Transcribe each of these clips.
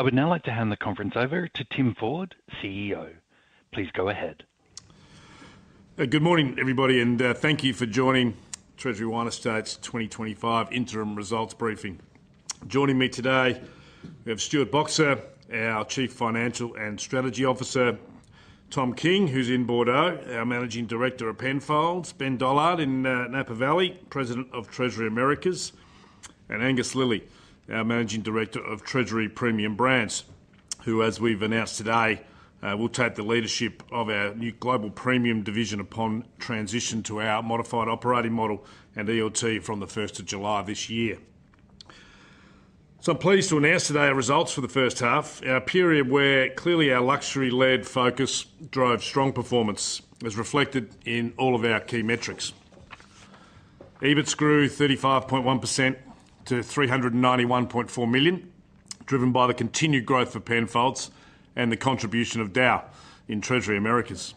I would now like to hand the conference over to Tim Ford, CEO. Please go ahead. Good morning, everybody, and thank you for joining Treasury Wine Estates 2025 Interim Results Briefing. Joining me today, we have Stuart Boxer, our Chief Financial and Strategy Officer, Tom King, who's in Bordeaux, our Managing Director of Penfolds, Ben Dollard in Napa Valley, President of Treasury Americas, and Angus Lilley, our Managing Director of Treasury Premium Brands, who, as we've announced today, will take the leadership of our new Global Premium Division upon transition to our modified operating model and ELT from the 1st of July this year. So I'm pleased to announce today our results for the first half, a period where clearly our luxury-led focus drove strong performance, as reflected in all of our key metrics. EBITS grew 35.1% to 391.4 million, driven by the continued growth of Penfolds and the contribution of DAOU in Treasury Americas.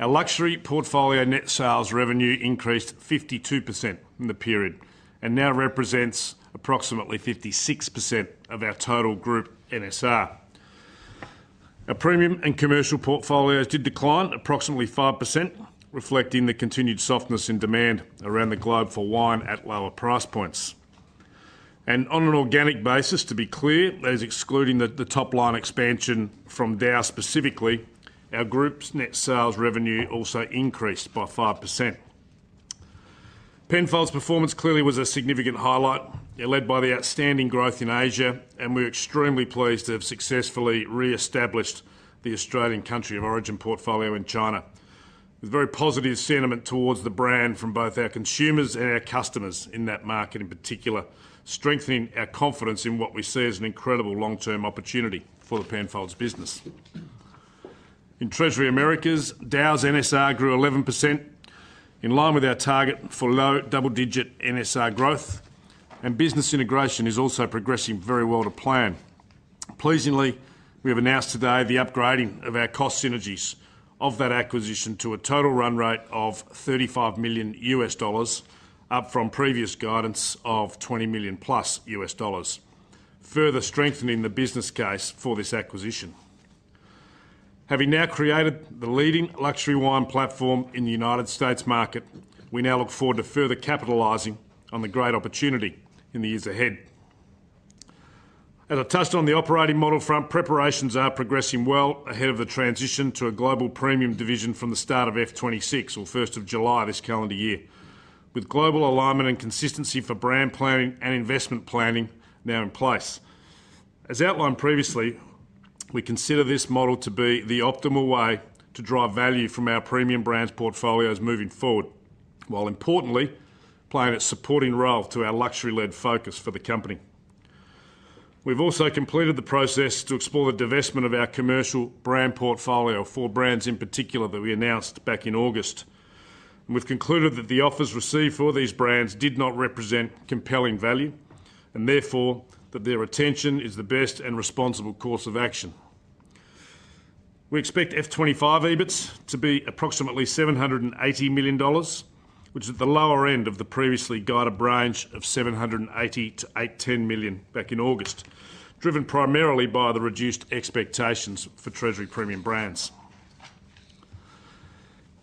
Our luxury portfolio net sales revenue increased 52% in the period and now represents approximately 56% of our total group NSR. Our premium and commercial portfolios did decline approximately 5%, reflecting the continued softness in demand around the globe for wine at lower price points, and on an organic basis, to be clear, that is excluding the top-line expansion from DAOU specifically, our group's net sales revenue also increased by 5%. Penfolds' performance clearly was a significant highlight, led by the outstanding growth in Asia, and we're extremely pleased to have successfully re-established the Australian country of origin portfolio in China, with very positive sentiment towards the brand from both our consumers and our customers in that market in particular, strengthening our confidence in what we see as an incredible long-term opportunity for the Penfolds business. In Treasury Americas, DAOU's NSR grew 11%, in line with our target for low double-digit NSR growth, and business integration is also progressing very well to plan. Pleasingly, we have announced today the upgrading of our cost synergies of that acquisition to a total run rate of $35 million USD, up from previous guidance of $20 million+ USD, further strengthening the business case for this acquisition. Having now created the leading luxury wine platform in the United States market, we now look forward to further capitalizing on the great opportunity in the years ahead. As I touched on the operating model front, preparations are progressing well ahead of the transition to a Global Premium Division from the start of F26 of July this calendar year, with global alignment and consistency for brand planning and investment planning now in place. As outlined previously, we consider this model to be the optimal way to drive value from our premium brands portfolios moving forward, while importantly playing a supporting role to our luxury-led focus for the company. We've also completed the process to explore the divestment of our commercial brand portfolio for brands in particular that we announced back in August, and we've concluded that the offers received for these brands did not represent compelling value and therefore that their retention is the best and responsible course of action. We expect F25 EBITS to be approximately 780 million dollars, which is at the lower end of the previously guided range of 780 million to 810 million back in August, driven primarily by the reduced expectations for Treasury Premium Brands.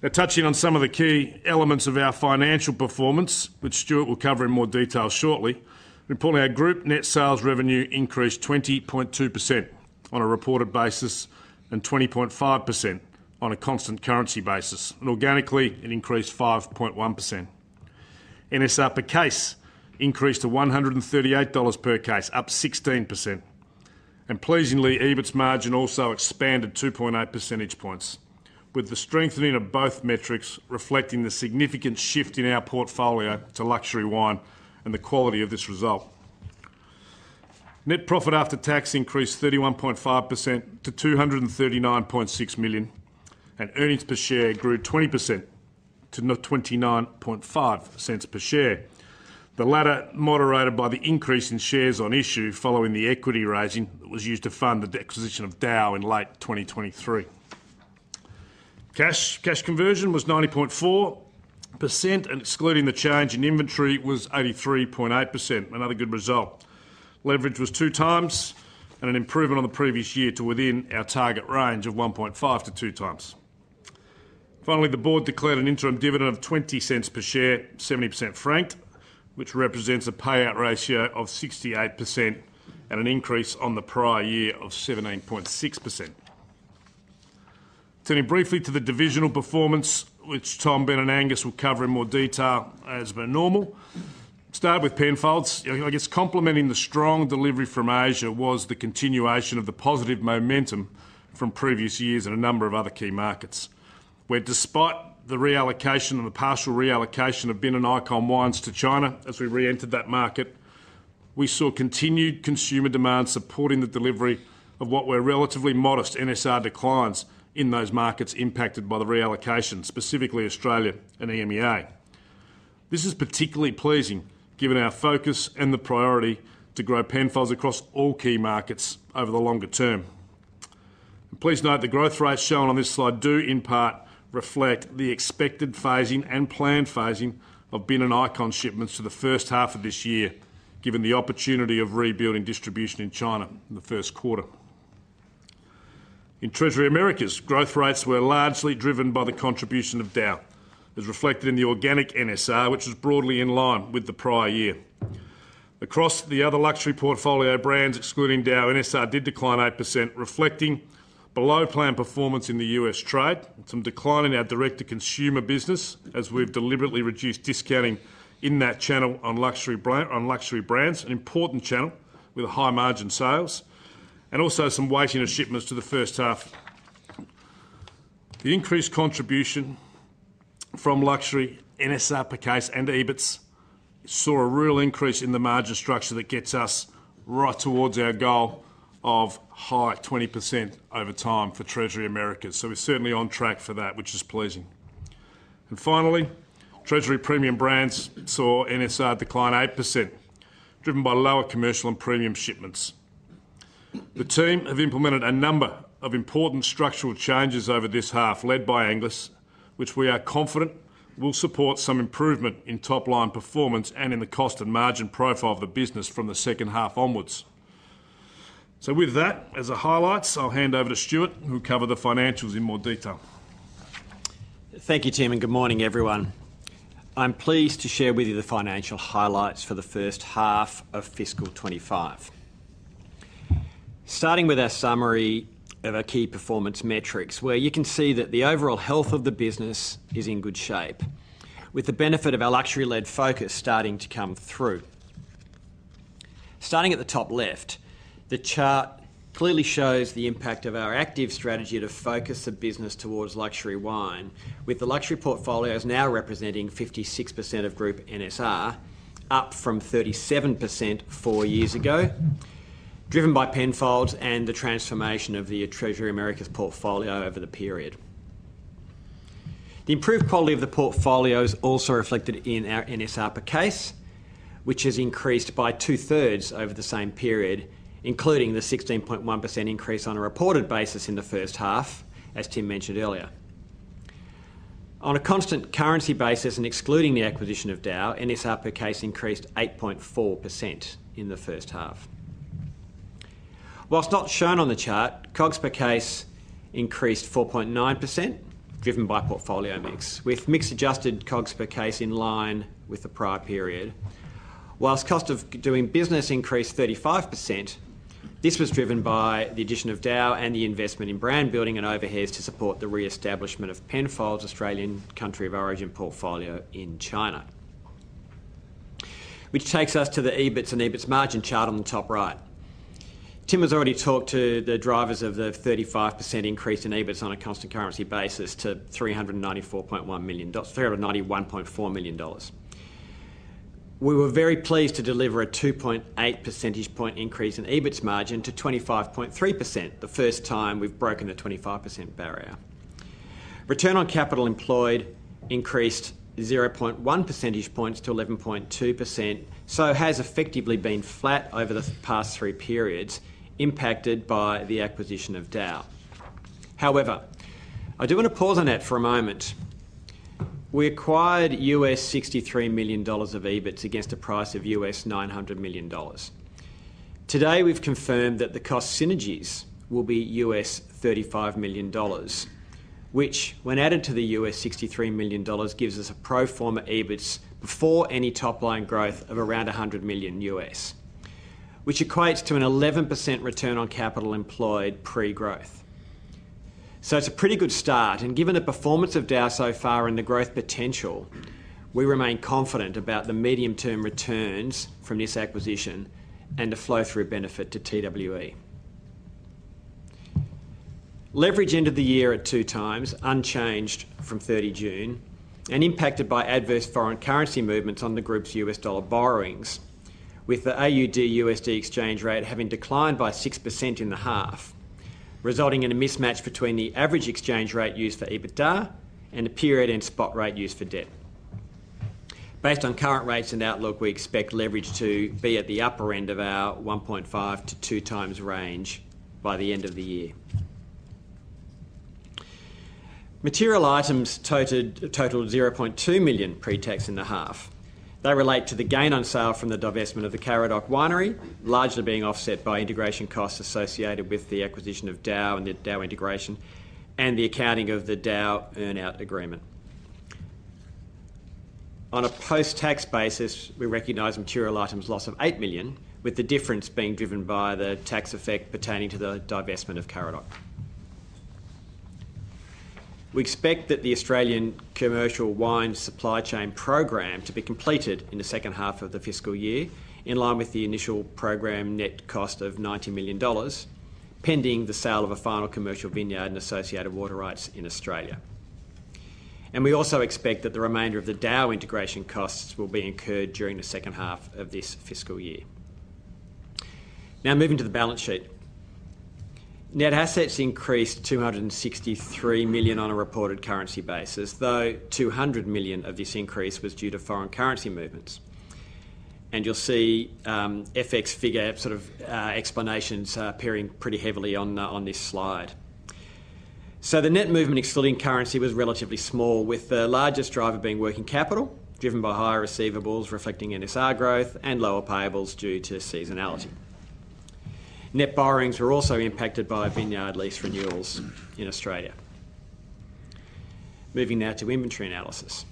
Now, touching on some of the key elements of our financial performance, which Stuart will cover in more detail shortly, reporting our group net sales revenue increased 20.2% on a reported basis and 20.5% on a constant currency basis, and organically it increased 5.1%. NSR per case increased to $138 per case, up 16%, and pleasingly EBITS margin also expanded 2.8 percentage points, with the strengthening of both metrics reflecting the significant shift in our portfolio to luxury wine and the quality of this result. Net profit after tax increased 31.5% to $239.6 million, and earnings per share grew 20% to $0.295 per share, the latter moderated by the increase in shares on issue following the equity raising that was used to fund the acquisition of DAOU in late 2023. Cash conversion was 90.4%, and excluding the change in inventory was 83.8%, another good result. Leverage was 2 times, and an improvement on the previous year to within our target range of 1.5-2 times. Finally, the board declared an interim dividend of 0.20 per share, 70% franked, which represents a payout ratio of 68% and an increase on the prior year of 17.6%. Turning briefly to the divisional performance, which Tom, Ben, and Angus will cover in more detail as per normal, start with Penfolds. I guess complementing the strong delivery from Asia was the continuation of the positive momentum from previous years in a number of other key markets, where despite the reallocation and the partial reallocation of Bin and Icon wines to China as we re-entered that market, we saw continued consumer demand supporting the delivery of what were relatively modest NSR declines in those markets impacted by the reallocation, specifically Australia and EMEA. This is particularly pleasing given our focus and the priority to grow Penfolds across all key markets over the longer term. Please note the growth rates shown on this slide do in part reflect the expected phasing and planned phasing of Bin and Icon shipments to the first half of this year, given the opportunity of rebuilding distribution in China in the first quarter. In Treasury Americas, growth rates were largely driven by the contribution of DAOU, as reflected in the organic NSR, which was broadly in line with the prior year. Across the other luxury portfolio brands, excluding DAOU, NSR did decline 8%, reflecting below planned performance in the U.S. trade, some decline in our direct-to-consumer business as we've deliberately reduced discounting in that channel on luxury brands, an important channel with high margin sales, and also some weighting of shipments to the first half. The increased contribution from luxury NSR per case and EBITS saw a real increase in the margin structure that gets us right towards our goal of high 20% over time for Treasury Americas, so we're certainly on track for that, which is pleasing, and finally, Treasury Premium Brands saw NSR decline 8%, driven by lower commercial and premium shipments. The team have implemented a number of important structural changes over this half, led by Angus, which we are confident will support some improvement in top-line performance and in the cost and margin profile of the business from the second half onwards, so with that, as a highlight, I'll hand over to Stuart, who will cover the financials in more detail. Thank you, Tim, and good morning, everyone. I'm pleased to share with you the financial highlights for the first half of fiscal 2025, starting with our summary of our key performance metrics, where you can see that the overall health of the business is in good shape, with the benefit of our luxury-led focus starting to come through. Starting at the top left, the chart clearly shows the impact of our active strategy to focus the business towards luxury wine, with the luxury portfolios now representing 56% of group NSR, up from 37% four years ago, driven by Penfolds and the transformation of the Treasury Americas portfolio over the period. The improved quality of the portfolios also reflected in our NSR per case, which has increased by two-thirds over the same period, including the 16.1% increase on a reported basis in the first half, as Tim mentioned earlier. On a constant currency basis and excluding the acquisition of DAOU, NSR per case increased 8.4% in the first half. While not shown on the chart, COGS per case increased 4.9%, driven by portfolio mix, with mixed adjusted COGS per case in line with the prior period. While cost of doing business increased 35%, this was driven by the addition of DAOU and the investment in brand building and overheads to support the re-establishment of Penfolds' Australian country of origin portfolio in China, which takes us to the EBITS and EBITS margin chart on the top right. Tim has already talked to the drivers of the 35% increase in EBITS on a constant currency basis to $391.4 million. We were very pleased to deliver a 2.8 percentage point increase in EBITS margin to 25.3%, the first time we've broken the 25% barrier. Return on capital employed increased 0.1 percentage points to 11.2%, so has effectively been flat over the past three periods, impacted by the acquisition of DAOU. However, I do want to pause on that for a moment. We acquired $63 million of EBITS against a price of $900 million. Today, we've confirmed that the cost synergies will be $35 million, which, when added to the $63 million, gives us a pro forma EBITS before any top-line growth of around $100 million, which equates to an 11% return on capital employed pre-growth. So it's a pretty good start, and given the performance of DAOU so far and the growth potential, we remain confident about the medium-term returns from this acquisition and the flow-through benefit to TWE. Leverage ended the year at two times, unchanged from 30 June, and impacted by adverse foreign currency movements on the group's US dollar borrowings, with the AUD/USD exchange rate having declined by 6% in the half, resulting in a mismatch between the average exchange rate used for EBITDA and the period-end spot rate used for debt. Based on current rates and outlook, we expect leverage to be at the upper end of our 1.5 to 2 times range by the end of the year. Material items totaled 0.2 million pre-tax in the half. They relate to the gain on sale from the divestment of the Karadoc winery, largely being offset by integration costs associated with the acquisition of DAOU and the DAOU integration and the accounting of the DAOU earnout agreement. On a post-tax basis, we recognize material items loss of 8 million, with the difference being driven by the tax effect pertaining to the divestment of Karadoc. We expect that the Australian commercial wine supply chain program to be completed in the second half of the fiscal year, in line with the initial program net cost of 90 million dollars, pending the sale of a final commercial vineyard and associated water rights in Australia. We also expect that the remainder of the DAOU integration costs will be incurred during the second half of this fiscal year. Now, moving to the balance sheet, net assets increased 263 million on a reported currency basis, though 200 million of this increase was due to foreign currency movements. You'll see FX figure sort of explanations appearing pretty heavily on this slide. The net movement excluding currency was relatively small, with the largest driver being working capital, driven by higher receivables reflecting NSR growth and lower payables due to seasonality. Net borrowings were also impacted by vineyard lease renewals in Australia. Moving now to inventory analysis.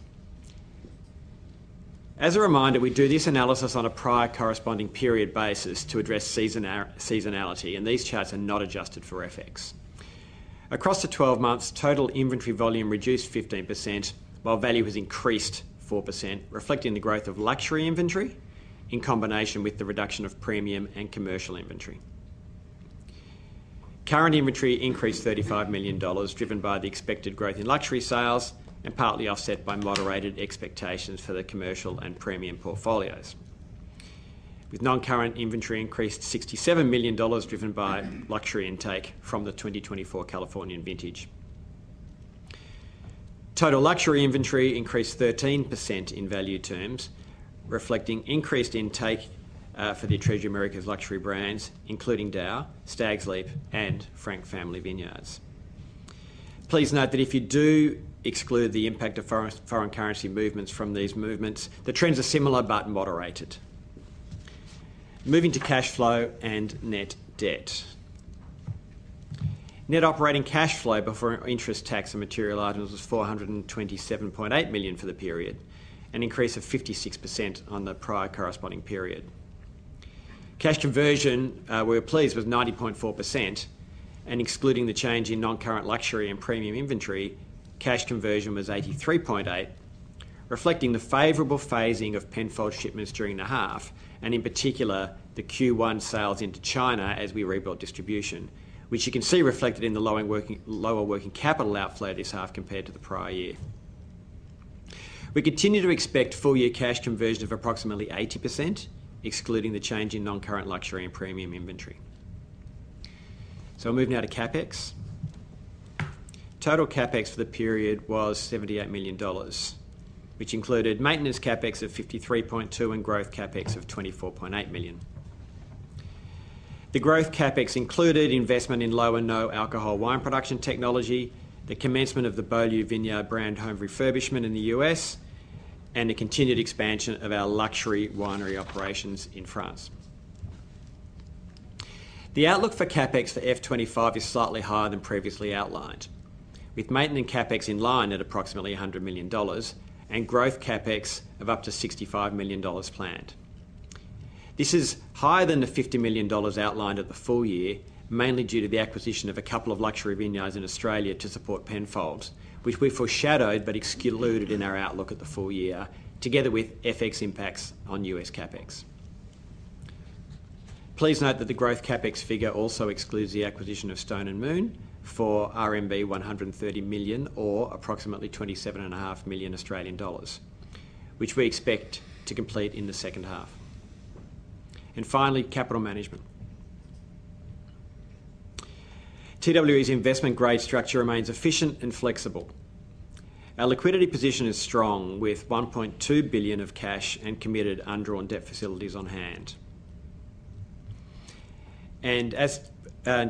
As a reminder, we do this analysis on a prior corresponding period basis to address seasonality, and these charts are not adjusted for FX. Across the 12 months, total inventory volume reduced 15%, while value has increased 4%, reflecting the growth of luxury inventory in combination with the reduction of premium and commercial inventory. Current inventory increased 35 million dollars, driven by the expected growth in luxury sales and partly offset by moderated expectations for the commercial and premium portfolios, with non-current inventory increased 67 million dollars, driven by luxury intake from the 2024 California vintage. Total luxury inventory increased 13% in value terms, reflecting increased intake for the Treasury Americas luxury brands, including DAOU, Stags' Leap, and Frank Family Vineyards. Please note that if you do exclude the impact of foreign currency movements from these movements, the trends are similar but moderated. Moving to cash flow and net debt. Net operating cash flow before interest tax and material items was 427.8 million for the period, an increase of 56% on the prior corresponding period. Cash conversion, we were pleased with 90.4%, and excluding the change in non-current luxury and premium inventory, cash conversion was 83.8%, reflecting the favorable phasing of Penfolds shipments during the half, and in particular the Q1 sales into China as we rebuilt distribution, which you can see reflected in the lower working capital outflow this half compared to the prior year. We continue to expect full-year cash conversion of approximately 80%, excluding the change in non-current luxury and premium inventory. So moving now to CapEx. Total CapEx for the period was 78 million dollars, which included maintenance CapEx of 53.2 million and growth CapEx of 24.8 million. The growth CapEx included investment in low and no alcohol wine production technology, the commencement of the Beaulieu Vineyard brand home refurbishment in the U.S., and the continued expansion of our luxury winery operations in France. The outlook for CapEx for F25 is slightly higher than previously outlined, with maintenance CapEx in line at approximately 100 million dollars and growth CapEx of up to 65 million dollars planned. This is higher than the 50 million dollars outlined at the full year, mainly due to the acquisition of a couple of luxury vineyards in Australia to support Penfolds, which we foreshadowed but excluded in our outlook at the full year, together with FX impacts on U.S. CapEx. Please note that the growth CapEx figure also excludes the acquisition of Stone & Moon for RMB 130 million or approximately 27.5 million Australian dollars, which we expect to complete in the second half. And finally, capital management. TWE's investment-grade structure remains efficient and flexible. Our liquidity position is strong, with 1.2 billion of cash and committed undrawn debt facilities on hand. And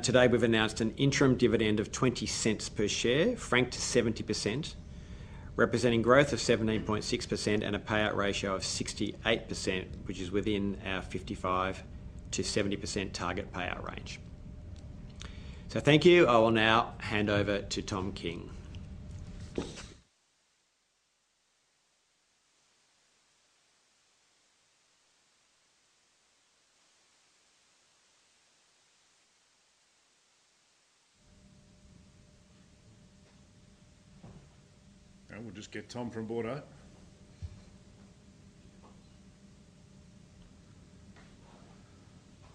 today, we've announced an interim dividend of 0.20 per share, franked to 70%, representing growth of 17.6% and a payout ratio of 68%, which is within our 55%-70% target payout range. So thank you. I will now hand over to Tom King. We'll just get Tom from Bordeaux up.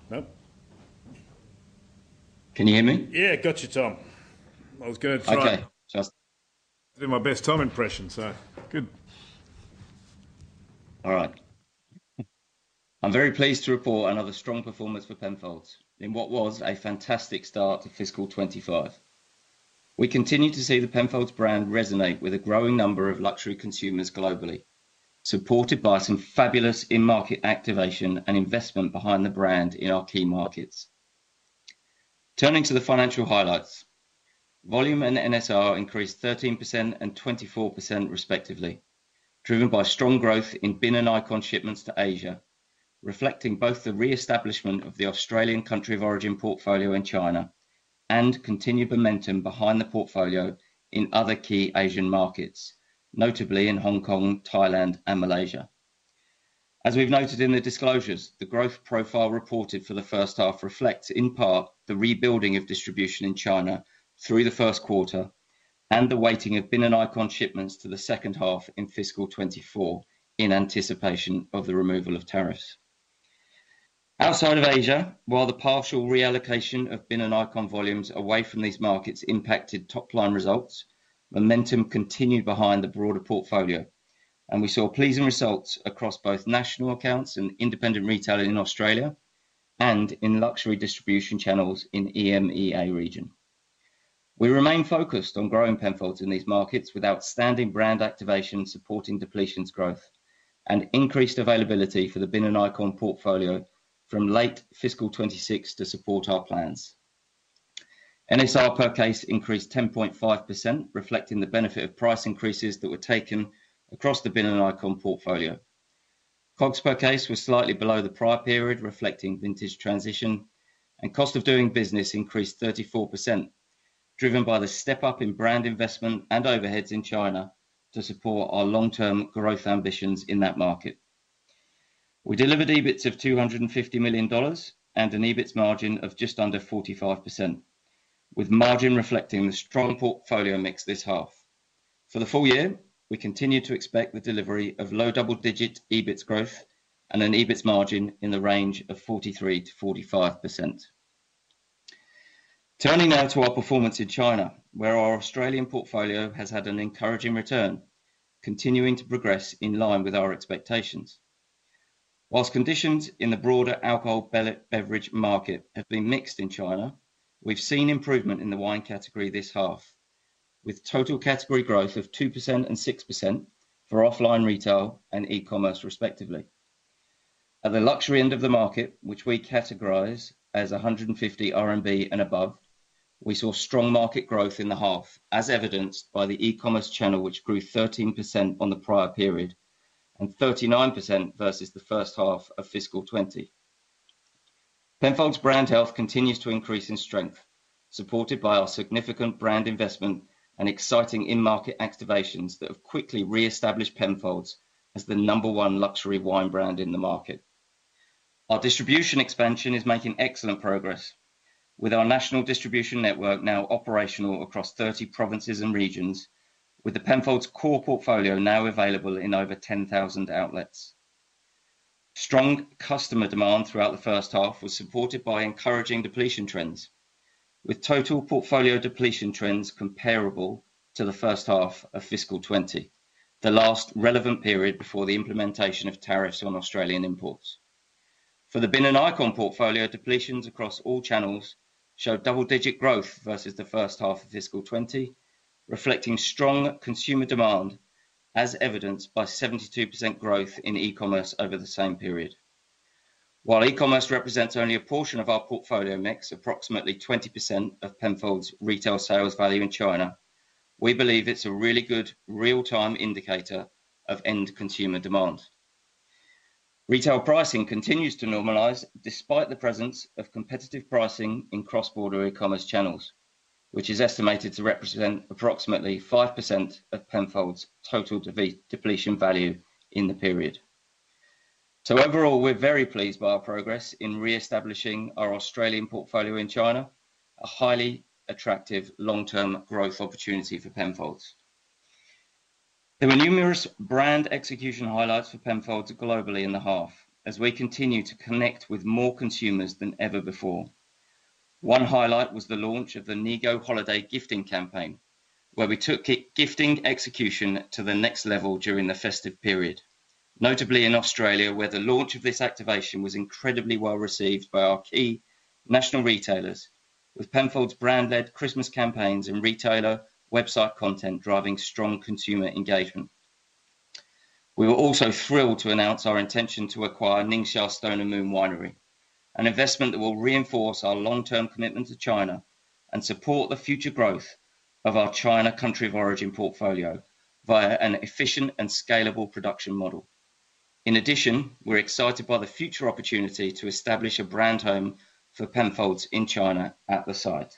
No. Can you hear me? Yeah, got you, Tom. I was going to try. Okay. That'd be my best Tom impression, so. Good. All right. I'm very pleased to report another strong performance for Penfolds in what was a fantastic start to fiscal 2025. We continue to see the Penfolds brand resonate with a growing number of luxury consumers globally, supported by some fabulous in-market activation and investment behind the brand in our key markets. Turning to the financial highlights, volume and NSR increased 13% and 24% respectively, driven by strong growth in Bin and Icon shipments to Asia, reflecting both the re-establishment of the Australian country of origin portfolio in China and continued momentum behind the portfolio in other key Asian markets, notably in Hong Kong, Thailand, and Malaysia. As we've noted in the disclosures, the growth profile reported for the first half reflects, in part, the rebuilding of distribution in China through the first quarter and the weighting of Bin and Icon shipments to the second half in fiscal 2024 in anticipation of the removal of tariffs. Outside of Asia, while the partial reallocation of Bin and Icon volumes away from these markets impacted top-line results, momentum continued behind the broader portfolio, and we saw pleasing results across both national accounts and independent retail in Australia and in luxury distribution channels in EMEA region. We remain focused on growing Penfolds in these markets with outstanding brand activation supporting depletions growth and increased availability for the Bin and Icon portfolio from late fiscal 2026 to support our plans. NSR per case increased 10.5%, reflecting the benefit of price increases that were taken across the Bin and Icon portfolio. COGS per case was slightly below the prior period, reflecting vintage transition, and cost of doing business increased 34%, driven by the step-up in brand investment and overheads in China to support our long-term growth ambitions in that market. We delivered EBITS of 250 million dollars and an EBITS margin of just under 45%, with margin reflecting the strong portfolio mix this half. For the full year, we continue to expect the delivery of low double-digit EBITS growth and an EBITS margin in the range of 43%-45%. Turning now to our performance in China, where our Australian portfolio has had an encouraging return, continuing to progress in line with our expectations. Whilst conditions in the broader alcoholic beverage market have been mixed in China, we've seen improvement in the wine category this half, with total category growth of 2% and 6% for offline retail and e-commerce, respectively. At the luxury end of the market, which we categorize as 150 RMB and above, we saw strong market growth in the half, as evidenced by the e-commerce channel, which grew 13% on the prior period and 39% versus the first half of fiscal 2020. Penfolds brand health continues to increase in strength, supported by our significant brand investment and exciting in-market activations that have quickly re-established Penfolds as the number one luxury wine brand in the market. Our distribution expansion is making excellent progress, with our national distribution network now operational across 30 provinces and regions, with the Penfolds core portfolio now available in over 10,000 outlets. Strong customer demand throughout the first half was supported by encouraging depletion trends, with total portfolio depletion trends comparable to the first half of fiscal 2020, the last relevant period before the implementation of tariffs on Australian imports. For the Bin and Icon portfolio, depletions across all channels show double-digit growth versus the first half of fiscal 2020, reflecting strong consumer demand, as evidenced by 72% growth in e-commerce over the same period. While e-commerce represents only a portion of our portfolio mix, approximately 20% of Penfolds retail sales value in China, we believe it's a really good real-time indicator of end consumer demand. Retail pricing continues to normalize despite the presence of competitive pricing in cross-border e-commerce channels, which is estimated to represent approximately 5% of Penfolds total depletion value in the period. So overall, we're very pleased by our progress in re-establishing our Australian portfolio in China, a highly attractive long-term growth opportunity for Penfolds. There were numerous brand execution highlights for Penfolds globally in the half as we continue to connect with more consumers than ever before. One highlight was the launch of the Nigo holiday gifting campaign, where we took gifting execution to the next level during the festive period, notably in Australia, where the launch of this activation was incredibly well received by our key national retailers, with Penfolds brand-led Christmas campaigns and retailer website content driving strong consumer engagement. We were also thrilled to announce our intention to acquire Ningxia Stone & Moon Winery, an investment that will reinforce our long-term commitment to China and support the future growth of our China country of origin portfolio via an efficient and scalable production model. In addition, we're excited by the future opportunity to establish a brand home for Penfolds in China at the site.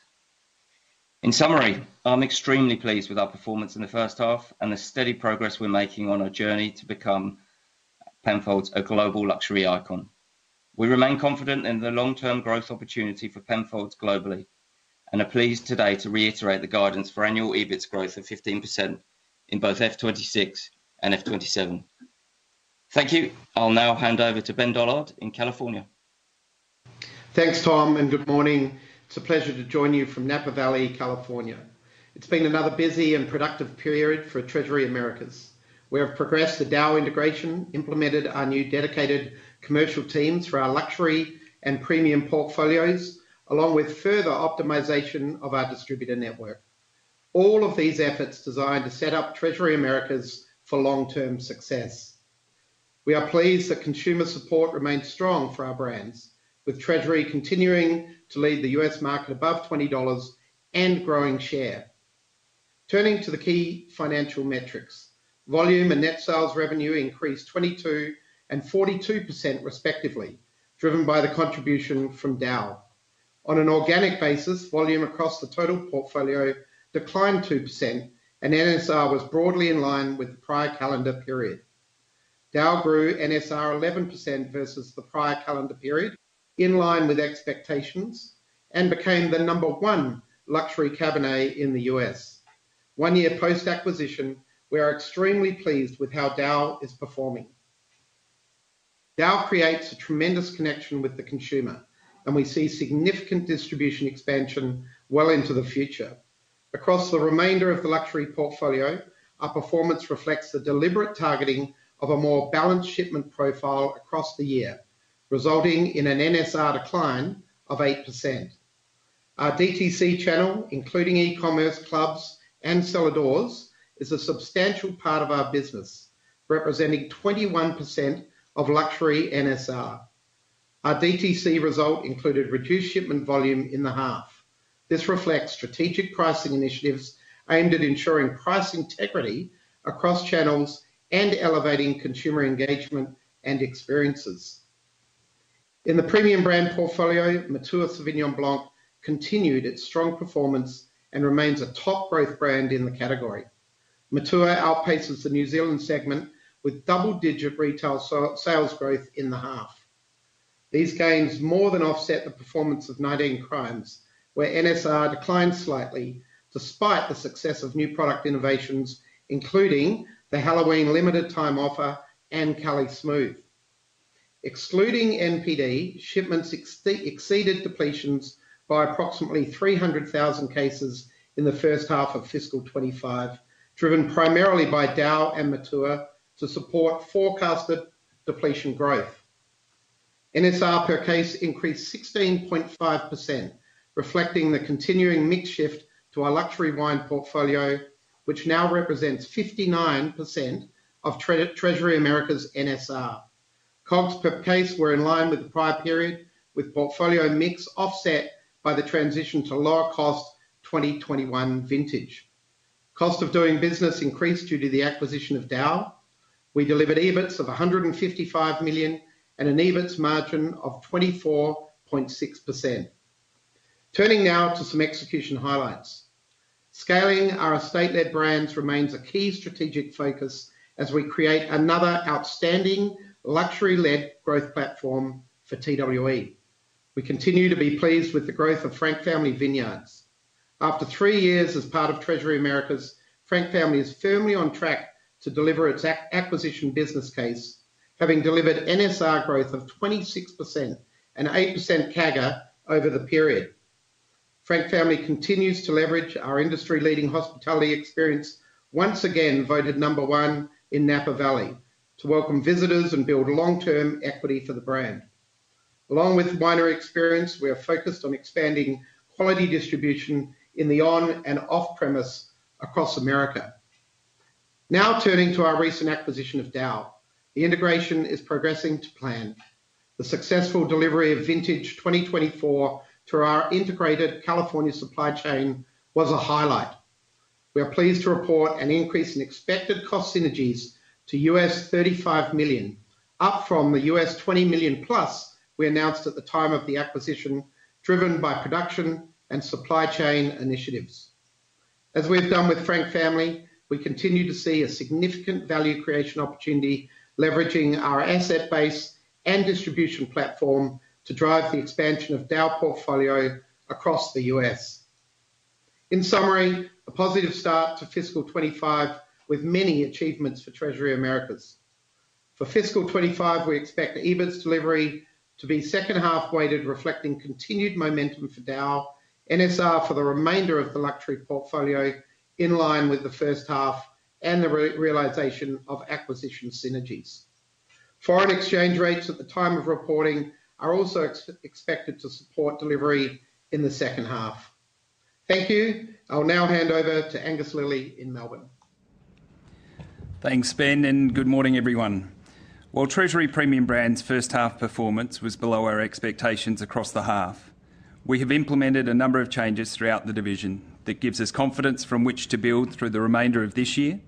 In summary, I'm extremely pleased with our performance in the first half and the steady progress we're making on our journey to become Penfolds a global luxury icon. We remain confident in the long-term growth opportunity for Penfolds globally and are pleased today to reiterate the guidance for annual EBITS growth of 15% in both F26 and F27. Thank you. I'll now hand over to Ben Dollard in California. Thanks, Tom, and good morning. It's a pleasure to join you from Napa Valley, California. It's been another busy and productive period for Treasury Americas. We have progressed the DAOU integration, implemented our new dedicated commercial teams for our luxury and premium portfolios, along with further optimization of our distributor network. All of these efforts designed to set up Treasury Americas for long-term success. We are pleased that consumer support remains strong for our brands, with Treasury continuing to lead the U.S. market above $20 and growing share. Turning to the key financial metrics, volume and net sales revenue increased 22% and 42%, respectively, driven by the contribution from DAOU. On an organic basis, volume across the total portfolio declined 2%, and NSR was broadly in line with the prior calendar period. DAOU grew NSR 11% versus the prior calendar period, in line with expectations, and became the number one luxury Cabernet in the U.S. One year post-acquisition, we are extremely pleased with how DAOU is performing. DAOU creates a tremendous connection with the consumer, and we see significant distribution expansion well into the future. Across the remainder of the luxury portfolio, our performance reflects the deliberate targeting of a more balanced shipment profile across the year, resulting in an NSR decline of 8%. Our DTC channel, including e-commerce, clubs, and cellar doors, is a substantial part of our business, representing 21% of luxury NSR. Our DTC result included reduced shipment volume in the half. This reflects strategic pricing initiatives aimed at ensuring price integrity across channels and elevating consumer engagement and experiences. In the premium brand portfolio, Matua Sauvignon Blanc continued its strong performance and remains a top growth brand in the category. Matua outpaces the New Zealand segment with double-digit retail sales growth in the half. These gains more than offset the performance of 19 Crimes, where NSR declined slightly despite the success of new product innovations, including the Halloween limited-time offer and Cali Smooth. Excluding NPD, shipments exceeded depletions by approximately 300,000 cases in the first half of fiscal 2025, driven primarily by DAOU and Matua to support forecasted depletion growth. NSR per case increased 16.5%, reflecting the continuing mix shift to our luxury wine portfolio, which now represents 59% of Treasury Americas' NSR. COGS per case were in line with the prior period, with portfolio mix offset by the transition to lower-cost 2021 vintage. Cost of doing business increased due to the acquisition of DAOU. We delivered EBITS of 155 million and an EBITS margin of 24.6%. Turning now to some execution highlights. Scaling our estate-led brands remains a key strategic focus as we create another outstanding luxury-led growth platform for TWE. We continue to be pleased with the growth of Frank Family Vineyards. After three years as part of Treasury Americas, Frank Family is firmly on track to deliver its acquisition business case, having delivered NSR growth of 26% and 8% CAGR over the period. Frank Family continues to leverage our industry-leading hospitality experience, once again voted number one in Napa Valley, to welcome visitors and build long-term equity for the brand. Along with winery experience, we are focused on expanding quality distribution in the on and off-premise across America. Now turning to our recent acquisition of DAOU, the integration is progressing to plan. The successful delivery of vintage 2024 through our integrated California supply chain was a highlight. We are pleased to report an increase in expected cost synergies to $35 million, up from the $20 million plus we announced at the time of the acquisition, driven by production and supply chain initiatives. As we have done with Frank Family, we continue to see a significant value creation opportunity, leveraging our asset base and distribution platform to drive the expansion of DAOU portfolio across the U.S. In summary, a positive start to fiscal 2025 with many achievements for Treasury Americas. For fiscal 2025, we expect EBITS delivery to be second-half weighted, reflecting continued momentum for DAOU, NSR for the remainder of the luxury portfolio, in line with the first half and the realization of acquisition synergies. Foreign exchange rates at the time of reporting are also expected to support delivery in the second half. Thank you. I'll now hand over to Angus Lilley in Melbourne. Thanks, Ben, and good morning, everyone. While Treasury Premium Brands' first-half performance was below our expectations across the half, we have implemented a number of changes throughout the division that gives us confidence from which to build through the remainder of this year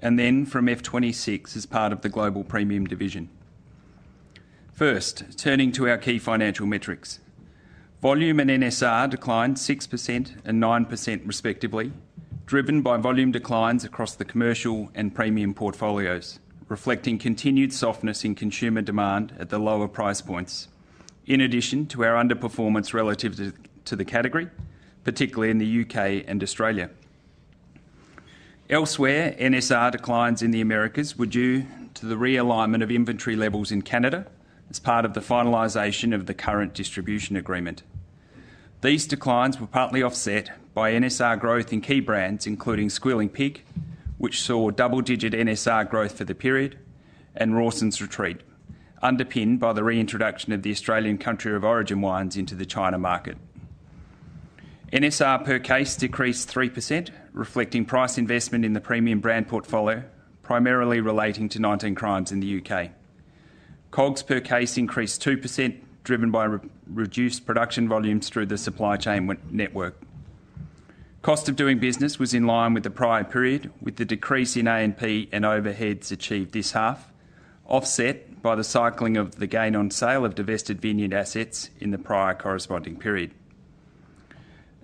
and then from F26 as part of the Global Premium Division. First, turning to our key financial metrics, volume and NSR declined 6% and 9%, respectively, driven by volume declines across the commercial and premium portfolios, reflecting continued softness in consumer demand at the lower price points, in addition to our underperformance relative to the category, particularly in the U.K. and Australia. Elsewhere, NSR declines in the Americas were due to the realignment of inventory levels in Canada as part of the finalization of the current distribution agreement. These declines were partly offset by NSR growth in key brands, including Squealing Pig, which saw double-digit NSR growth for the period, and Rawson's Retreat, underpinned by the reintroduction of the Australian country of origin wines into the China market. NSR per case decreased 3%, reflecting price investment in the premium brand portfolio, primarily relating to 19 Crimes in the U.K. COGS per case increased 2%, driven by reduced production volumes through the supply chain network. Cost of doing business was in line with the prior period, with the decrease in A&P and overheads achieved this half, offset by the cycling of the gain on sale of divested vineyard assets in the prior corresponding period.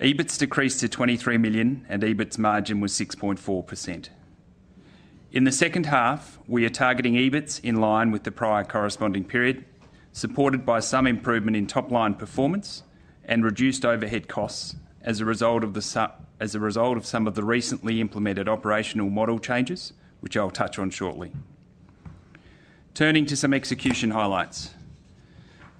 EBITS decreased to 23 million, and EBITS margin was 6.4%. In the second half, we are targeting EBITS in line with the prior corresponding period, supported by some improvement in top-line performance and reduced overhead costs as a result of some of the recently implemented operational model changes, which I'll touch on shortly. Turning to some execution highlights.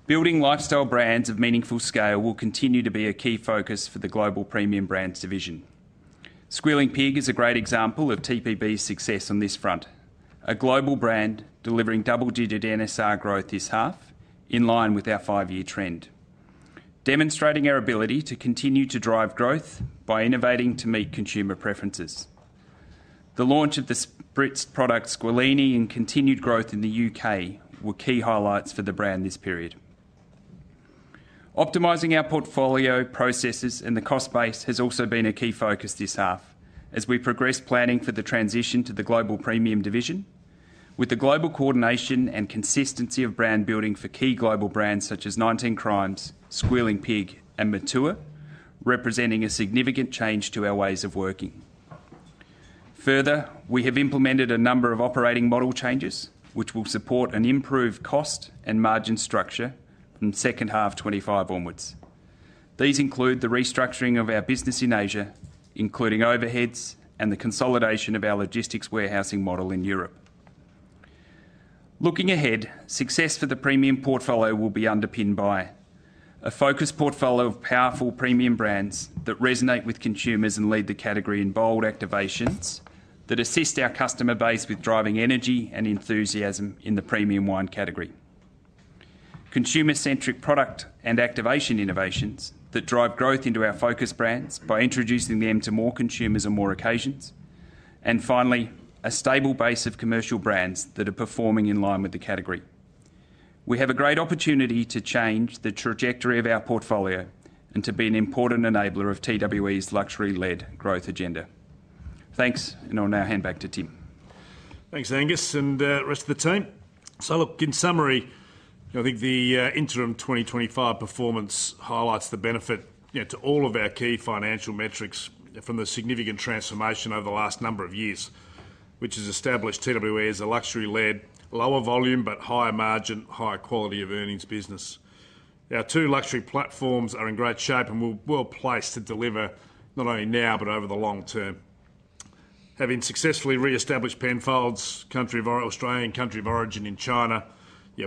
Building lifestyle brands of meaningful scale will continue to be a key focus for the global premium brands division. Squealing Pig is a great example of TPB's success on this front, a global brand delivering double-digit NSR growth this half, in line with our five-year trend, demonstrating our ability to continue to drive growth by innovating to meet consumer preferences. The launch of the Spritz product Squealing Pig and continued growth in the U.K. were key highlights for the brand this period. Optimizing our portfolio, processes, and the cost base has also been a key focus this half as we progress planning for the transition to the Global Premium Division, with the global coordination and consistency of brand building for key global brands such as 19 Crimes, Squealing Pig, and Matua, representing a significant change to our ways of working. Further, we have implemented a number of operating model changes, which will support and improve cost and margin structure from second half 2025 onwards. These include the restructuring of our business in Asia, including overheads, and the consolidation of our logistics warehousing model in Europe. Looking ahead, success for the premium portfolio will be underpinned by a focused portfolio of powerful premium brands that resonate with consumers and lead the category in bold activations that assist our customer base with driving energy and enthusiasm in the premium wine category, consumer-centric product and activation innovations that drive growth into our focus brands by introducing them to more consumers on more occasions, and finally, a stable base of commercial brands that are performing in line with the category. We have a great opportunity to change the trajectory of our portfolio and to be an important enabler of TWE's luxury-led growth agenda. Thanks, and I'll now hand back to Tim. Thanks, Angus and the rest of the team. So look, in summary, I think the interim 2025 performance highlights the benefit to all of our key financial metrics from the significant transformation over the last number of years, which has established TWE as a luxury-led, lower volume, but higher margin, higher quality of earnings business. Our two luxury platforms are in great shape and will be well placed to deliver not only now, but over the long term. Having successfully re-established Penfolds, Australian country of origin in China,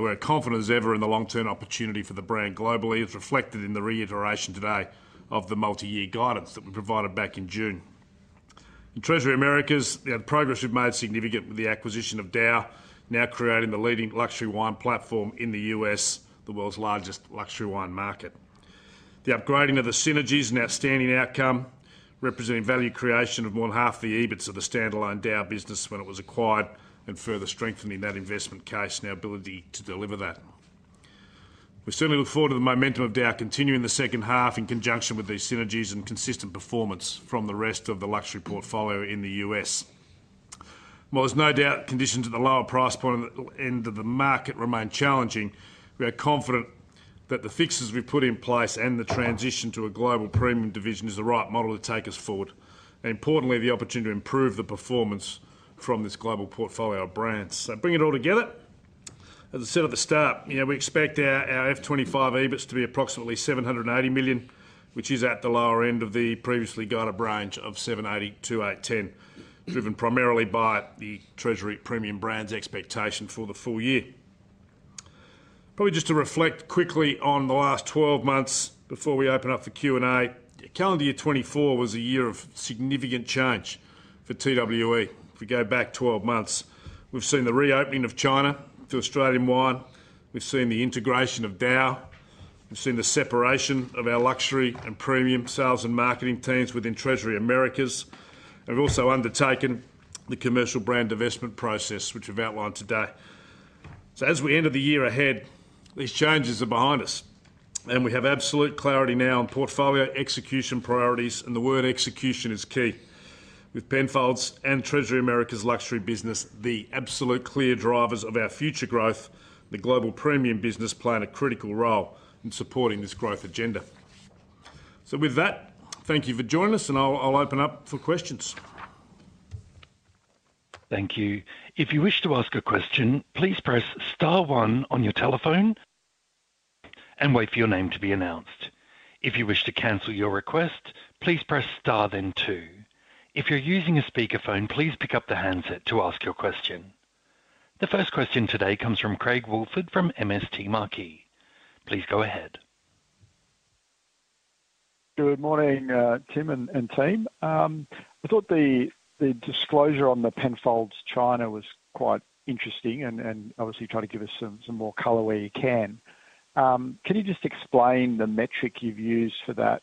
we're confident as ever in the long-term opportunity for the brand globally, as reflected in the reiteration today of the multi-year guidance that we provided back in June. In Treasury Americas, the progress we've made is significant with the acquisition of DAOU, now creating the leading luxury wine platform in the U.S., the world's largest luxury wine market. The upgrading of the synergies and outstanding outcome representing value creation of more than half the EBITS of the standalone DAOU business when it was acquired and further strengthening that investment case and our ability to deliver that. We certainly look forward to the momentum of DAOU continuing the second half in conjunction with these synergies and consistent performance from the rest of the luxury portfolio in the U.S. While there's no doubt conditions at the lower price point at the end of the market remain challenging, we are confident that the fixes we put in place and the transition to a Global Premium Division is the right model to take us forward, and importantly, the opportunity to improve the performance from this global portfolio of brands. So bringing it all together, as I said at the start, we expect our F25 EBITS to be approximately 780 million, which is at the lower end of the previously guided range of 780-810 million, driven primarily by the Treasury Premium Brands expectation for the full year. Probably just to reflect quickly on the last 12 months before we open up for Q&A, calendar year 2024 was a year of significant change for TWE. If we go back 12 months, we've seen the reopening of China to Australian wine. We've seen the integration of DAOU. We've seen the separation of our luxury and premium sales and marketing teams within Treasury Americas. We've also undertaken the commercial brand investment process, which we've outlined today. So as we enter the year ahead, these changes are behind us, and we have absolute clarity now on portfolio execution priorities, and the word execution is key. With Penfolds and Treasury Americas' luxury business, the absolute clear drivers of our future growth, the global premium business playing a critical role in supporting this growth agenda. So with that, thank you for joining us, and I'll open up for questions. Thank you. If you wish to ask a question, please press Star 1 on your telephone and wait for your name to be announced. If you wish to cancel your request, please press Star then 2. If you're using a speakerphone, please pick up the handset to ask your question. The first question today comes from Craig Woolford from MST Marquee. Please go ahead. Good morning, Tim and team. I thought the disclosure on the Penfolds China was quite interesting and obviously trying to give us some more color where you can. Can you just explain the metric you've used for that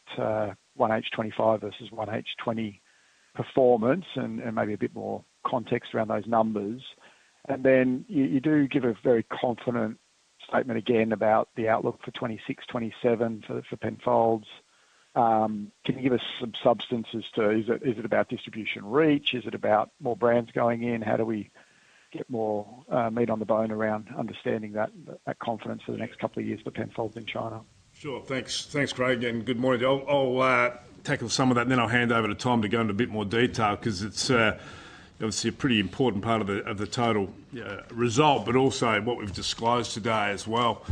1H25 versus 1H20 performance and maybe a bit more context around those numbers? And then you do give a very confident statement again about the outlook for '26, '27 for Penfolds. Can you give us some substance too? Is it about distribution reach? Is it about more brands going in? How do we get more meat on the bone around understanding that confidence for the next couple of years for Penfolds in China? Sure. Thanks, Craig, and good morning. I'll take some of that, and then I'll hand over to Tom to go into a bit more detail because it's obviously a pretty important part of the total result, but also what we've disclosed today as well.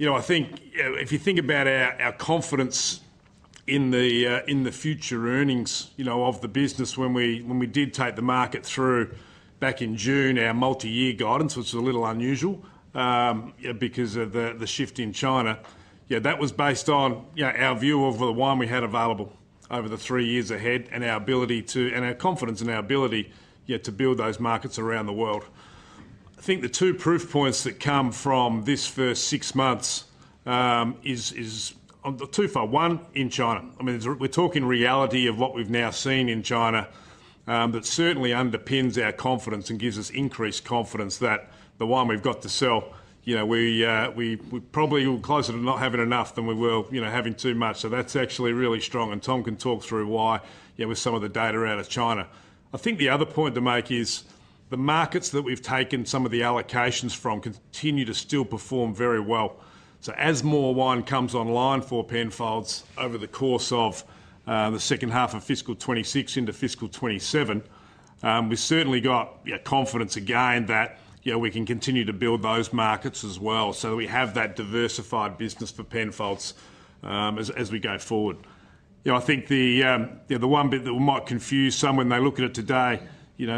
I think if you think about our confidence in the future earnings of the business, when we updated the market back in June, our multi-year guidance, which was a little unusual because of the shift in China, that was based on our view of the wine we had available over the three years ahead and our ability to and our confidence in our ability to build those markets around the world. I think the two proof points that come from this first six months is twofold. One, in China. I mean, we're talking reality of what we've now seen in China that certainly underpins our confidence and gives us increased confidence that the wine we've got to sell, we're probably closer to not having enough than we were having too much. So that's actually really strong. And Tom can talk through why with some of the data out of China. I think the other point to make is the markets that we've taken some of the allocations from continue to still perform very well. So as more wine comes online for Penfolds over the course of the second half of fiscal 2026 into fiscal 2027, we've certainly got confidence again that we can continue to build those markets as well so that we have that diversified business for Penfolds as we go forward. I think the one bit that might confuse some when they look at it today,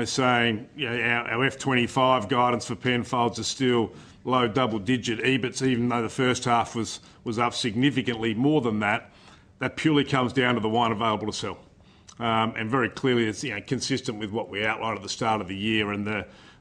saying our F25 guidance for Penfolds is still low double-digit EBITS, even though the first half was up significantly more than that, that purely comes down to the wine available to sell. And very clearly, it's consistent with what we outlined at the start of the year, and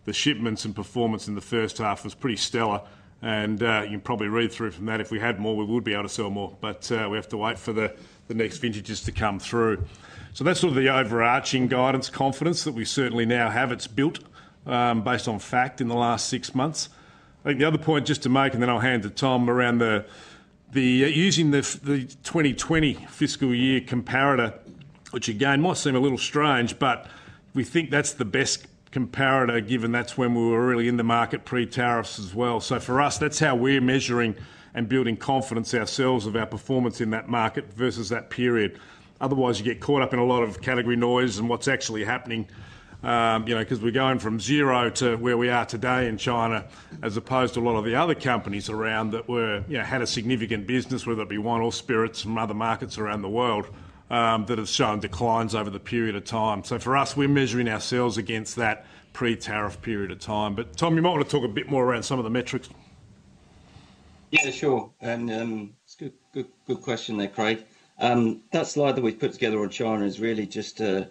the shipments and performance in the first half was pretty stellar. And you can probably read through from that. If we had more, we would be able to sell more, but we have to wait for the next vintages to come through. So that's sort of the overarching guidance confidence that we certainly now have. It's built based on fact in the last six months. I think the other point just to make, and then I'll hand to Tom around the using the 2020 fiscal year comparator, which again might seem a little strange, but we think that's the best comparator given that's when we were really in the market pre-tariffs as well. So for us, that's how we're measuring and building confidence ourselves of our performance in that market versus that period. Otherwise, you get caught up in a lot of category noise and what's actually happening because we're going from zero to where we are today in China as opposed to a lot of the other companies around that had a significant business, whether it be wine or spirits from other markets around the world that have shown declines over the period of time. So for us, we're measuring ourselves against that pre-tariff period of time. But Tom, you might want to talk a bit more around some of the metrics. Yeah, sure. And it's a good question there, Craig. That slide that we've put together on China is really just a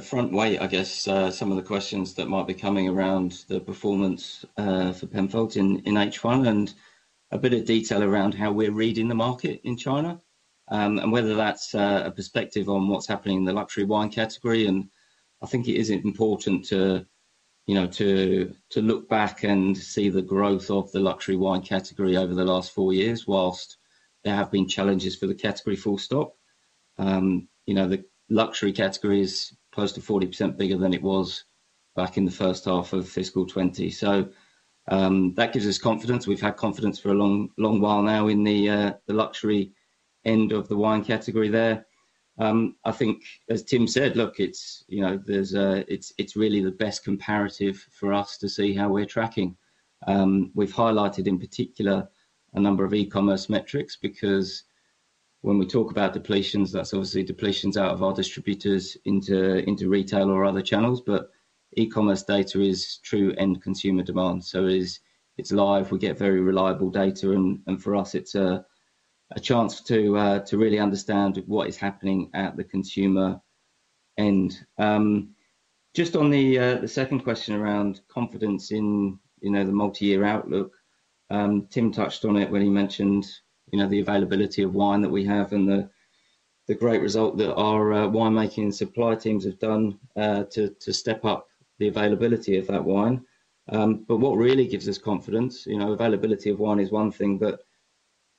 front weight, I guess, some of the questions that might be coming around the performance for Penfolds in H1 and a bit of detail around how we're reading the market in China and whether that's a perspective on what's happening in the luxury wine category. And I think it is important to look back and see the growth of the luxury wine category over the last four years while there have been challenges for the category. The luxury category is close to 40% bigger than it was back in the first half of fiscal 2020. So that gives us confidence. We've had confidence for a long while now in the luxury end of the wine category there. I think, as Tim said, look, it's really the best comparative for us to see how we're tracking. We've highlighted in particular a number of e-commerce metrics because when we talk about depletions, that's obviously depletions out of our distributors into retail or other channels. But e-commerce data is true end consumer demand, so it's live. We get very reliable data, and for us, it's a chance to really understand what is happening at the consumer end. Just on the second question around confidence in the multi-year outlook, Tim touched on it when he mentioned the availability of wine that we have and the great result that our winemaking and supply teams have done to step up the availability of that wine. But what really gives us confidence, availability of wine is one thing, but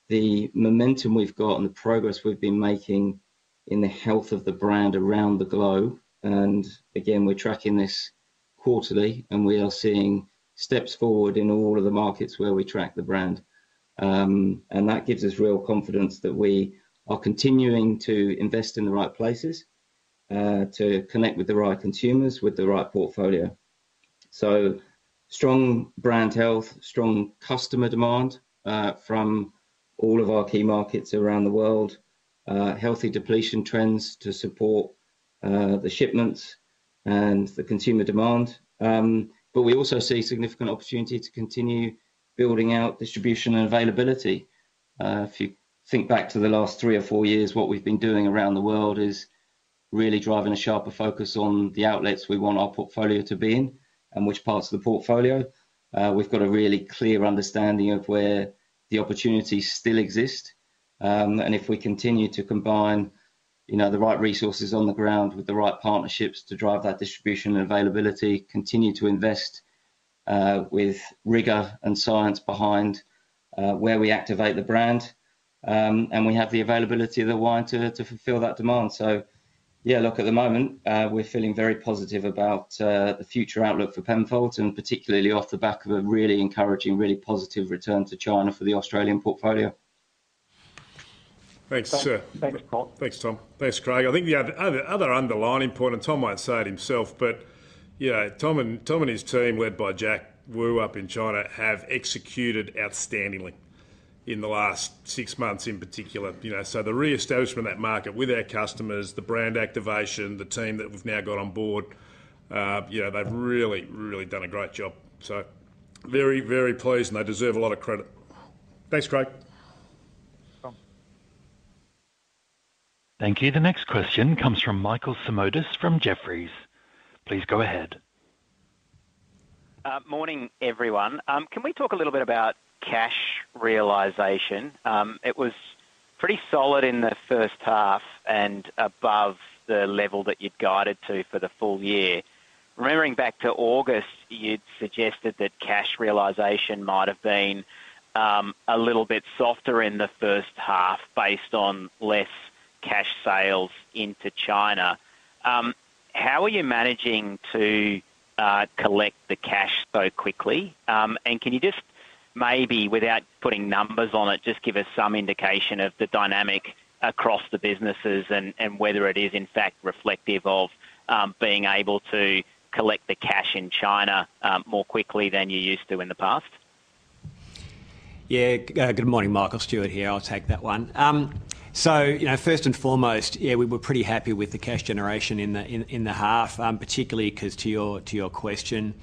the momentum we've got and the progress we've been making in the health of the brand around the globe. And again, we're tracking this quarterly, and we are seeing steps forward in all of the markets where we track the brand. And that gives us real confidence that we are continuing to invest in the right places to connect with the right consumers with the right portfolio. So strong brand health, strong customer demand from all of our key markets around the world, healthy depletion trends to support the shipments and the consumer demand. But we also see significant opportunity to continue building out distribution and availability. If you think back to the last three or four years, what we've been doing around the world is really driving a sharper focus on the outlets we want our portfolio to be in and which parts of the portfolio. We've got a really clear understanding of where the opportunities still exist, and if we continue to combine the right resources on the ground with the right partnerships to drive that distribution and availability, continue to invest with rigor and science behind where we activate the brand, and we have the availability of the wine to fulfill that demand, so yeah, look, at the moment, we're feeling very positive about the future outlook for Penfolds and particularly off the back of a really encouraging, really positive return to China for the Australian portfolio. Thanks, Tom. Thanks, Craig. I think the other underlying point, and Tom won't say it himself, but Tom and his team, led by Jack Wu up in China, have executed outstandingly in the last six months in particular. So the reestablishment of that market with our customers, the brand activation, the team that we've now got on board, they've really, really done a great job. So very, very pleased, and they deserve a lot of credit. Thanks, Craig. Thank you. The next question comes from Michael Simotas from Jefferies. Please go ahead. Morning, everyone. Can we talk a little bit about cash realization? It was pretty solid in the first half and above the level that you'd guided to for the full year. Remembering back to August, you'd suggested that cash realization might have been a little bit softer in the first half based on less cash sales into China. How are you managing to collect the cash so quickly? And can you just maybe, without putting numbers on it, just give us some indication of the dynamic across the businesses and whether it is, in fact, reflective of being able to collect the cash in China more quickly than you used to in the past? Yeah. Good morning, Michael. Stuart here. I'll take that one. So first and foremost, yeah, we were pretty happy with the cash generation in the half, particularly because, to your question,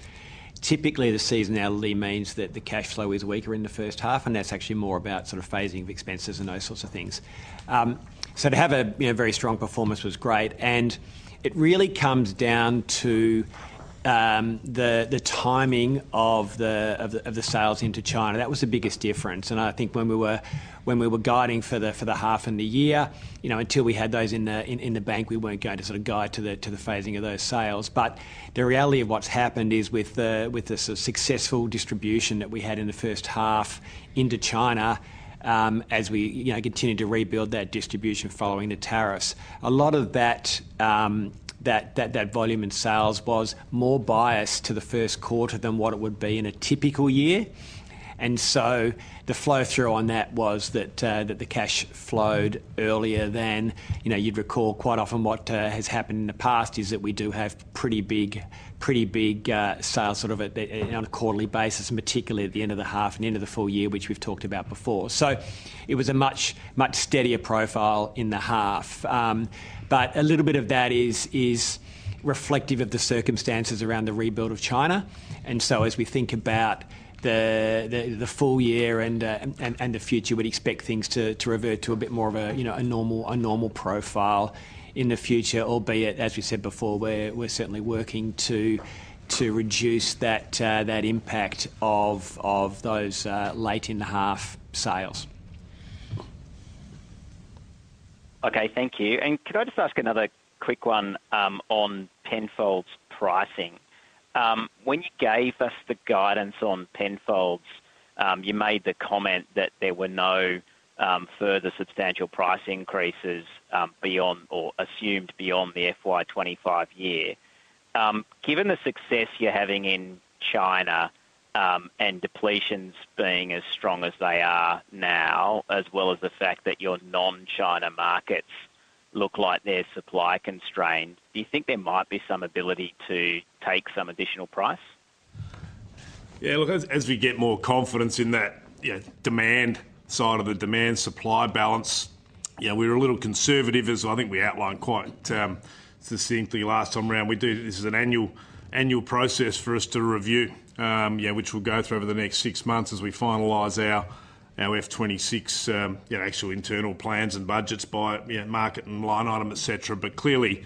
typically the seasonality means that the cash flow is weaker in the first half, and that's actually more about sort of phasing of expenses and those sorts of things. So to have a very strong performance was great. And it really comes down to the timing of the sales into China. That was the biggest difference. And I think when we were guiding for the half in the year, until we had those in the bank, we weren't going to sort of guide to the phasing of those sales. But the reality of what's happened is with the successful distribution that we had in the first half into China, as we continued to rebuild that distribution following the tariffs, a lot of that volume in sales was more biased to the first quarter than what it would be in a typical year. And so the flow through on that was that the cash flowed earlier than. You'd recall quite often what has happened in the past is that we do have pretty big sales sort of on a quarterly basis, particularly at the end of the half and end of the full year, which we've talked about before. So it was a much steadier profile in the half. But a little bit of that is reflective of the circumstances around the rebuild of China. And so as we think about the full year and the future, we'd expect things to revert to a bit more of a normal profile in the future, albeit, as we said before, we're certainly working to reduce that impact of those late in the half sales. Okay. Thank you. And could I just ask another quick one on Penfolds pricing? When you gave us the guidance on Penfolds, you made the comment that there were no further substantial price increases beyond or assumed beyond the FY25 year. Given the success you're having in China and depletions being as strong as they are now, as well as the fact that your non-China markets look like they're supply constrained, do you think there might be some ability to take some additional price? Yeah. Look, as we get more confidence in that demand side of the demand-supply balance, we're a little conservative, as I think we outlined quite succinctly last time around. This is an annual process for us to review, which we'll go through over the next six months as we finalize our F26 actual internal plans and budgets by market and line item, etc. But clearly,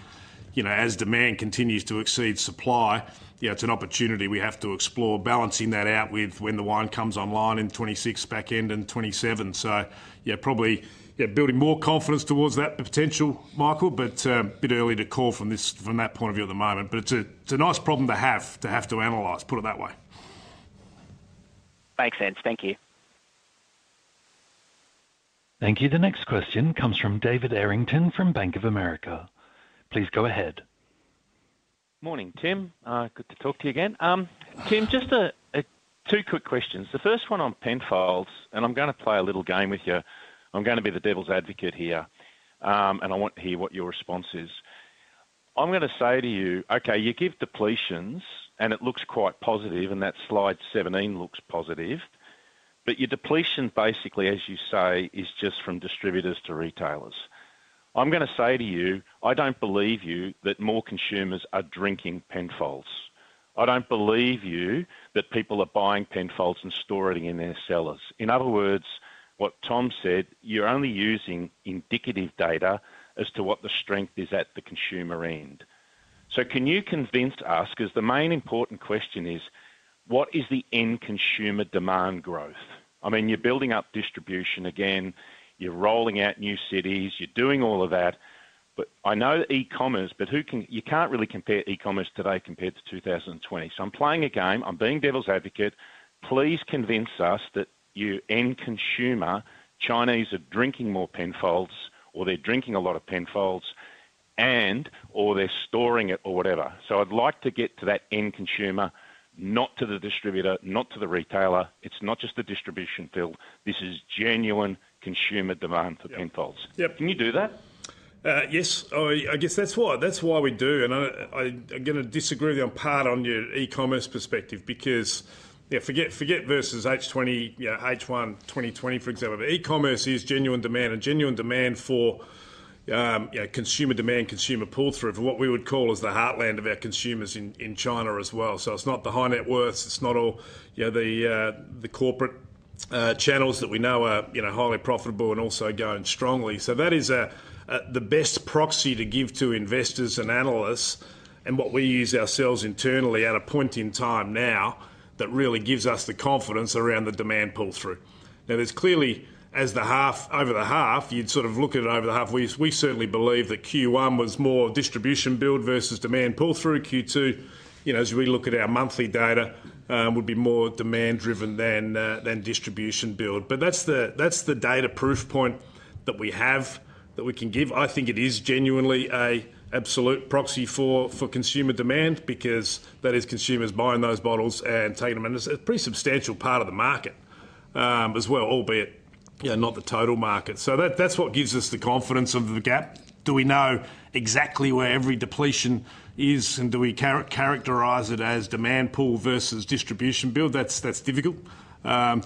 as demand continues to exceed supply, it's an opportunity we have to explore balancing that out with when the wine comes online in '26 back end and '27. So yeah, probably building more confidence towards that potential, Michael, but a bit early to call from that point of view at the moment. But it's a nice problem to have to analyze, put it that way. Makes sense. Thank you. Thank you. The next question comes from David Errington from Bank of America. Please go ahead. Morning, Tim. Good to talk to you again. Tim, just two quick questions. The first one on Penfolds, and I'm going to play a little game with you. I'm going to be the devil's advocate here, and I want to hear what your response is. I'm going to say to you, okay, you give depletions, and it looks quite positive, and that slide 17 looks positive. But your depletion, basically, as you say, is just from distributors to retailers. I'm going to say to you, I don't believe you that more consumers are drinking Penfolds. I don't believe you that people are buying Penfolds and storing in their cellars. In other words, what Tom said, you're only using indicative data as to what the strength is at the consumer end. So can you convince us, because the main important question is, what is the end consumer demand growth? I mean, you're building up distribution again. You're rolling out new cities. You're doing all of that. But I know e-commerce, but you can't really compare e-commerce today compared to 2020. So I'm playing a game. I'm being devil's advocate. Please convince us that your end consumer, Chinese are drinking more Penfolds or they're drinking a lot of Penfolds and/or they're storing it or whatever. So I'd like to get to that end consumer, no to the distributor, not to the retailer. It's not just the distribution build. This is genuine consumer demand for Penfolds. Can you do that? Yes. I guess that's why we do, and I'm going to disagree with you in part on your e-commerce perspective because forget versus H1 2020, for example. e-commerce is genuine demand and consumer pull-through for what we would call is the heartland of our consumers in China as well. So it's not the high net worth. It's not all the corporate channels that we know are highly profitable and also going strongly. So that is the best proxy to give to investors and analysts and what we use ourselves internally at a point in time now that really gives us the confidence around the demand pull-through. Now, there's clearly over the half you'd sort of look at it. We certainly believe that Q1 was more distribution build versus demand pull-through. Q2, as we look at our monthly data, would be more demand-driven than distribution build, but that's the data proof point that we have that we can give. I think it is genuinely an absolute proxy for consumer demand because that is consumers buying those bottles and taking them in. It's a pretty substantial part of the market as well, albeit not the total market, so that's what gives us the confidence of the gap. Do we know exactly where every depletion is, and do we characterize it as demand pull versus distribution build? That's difficult to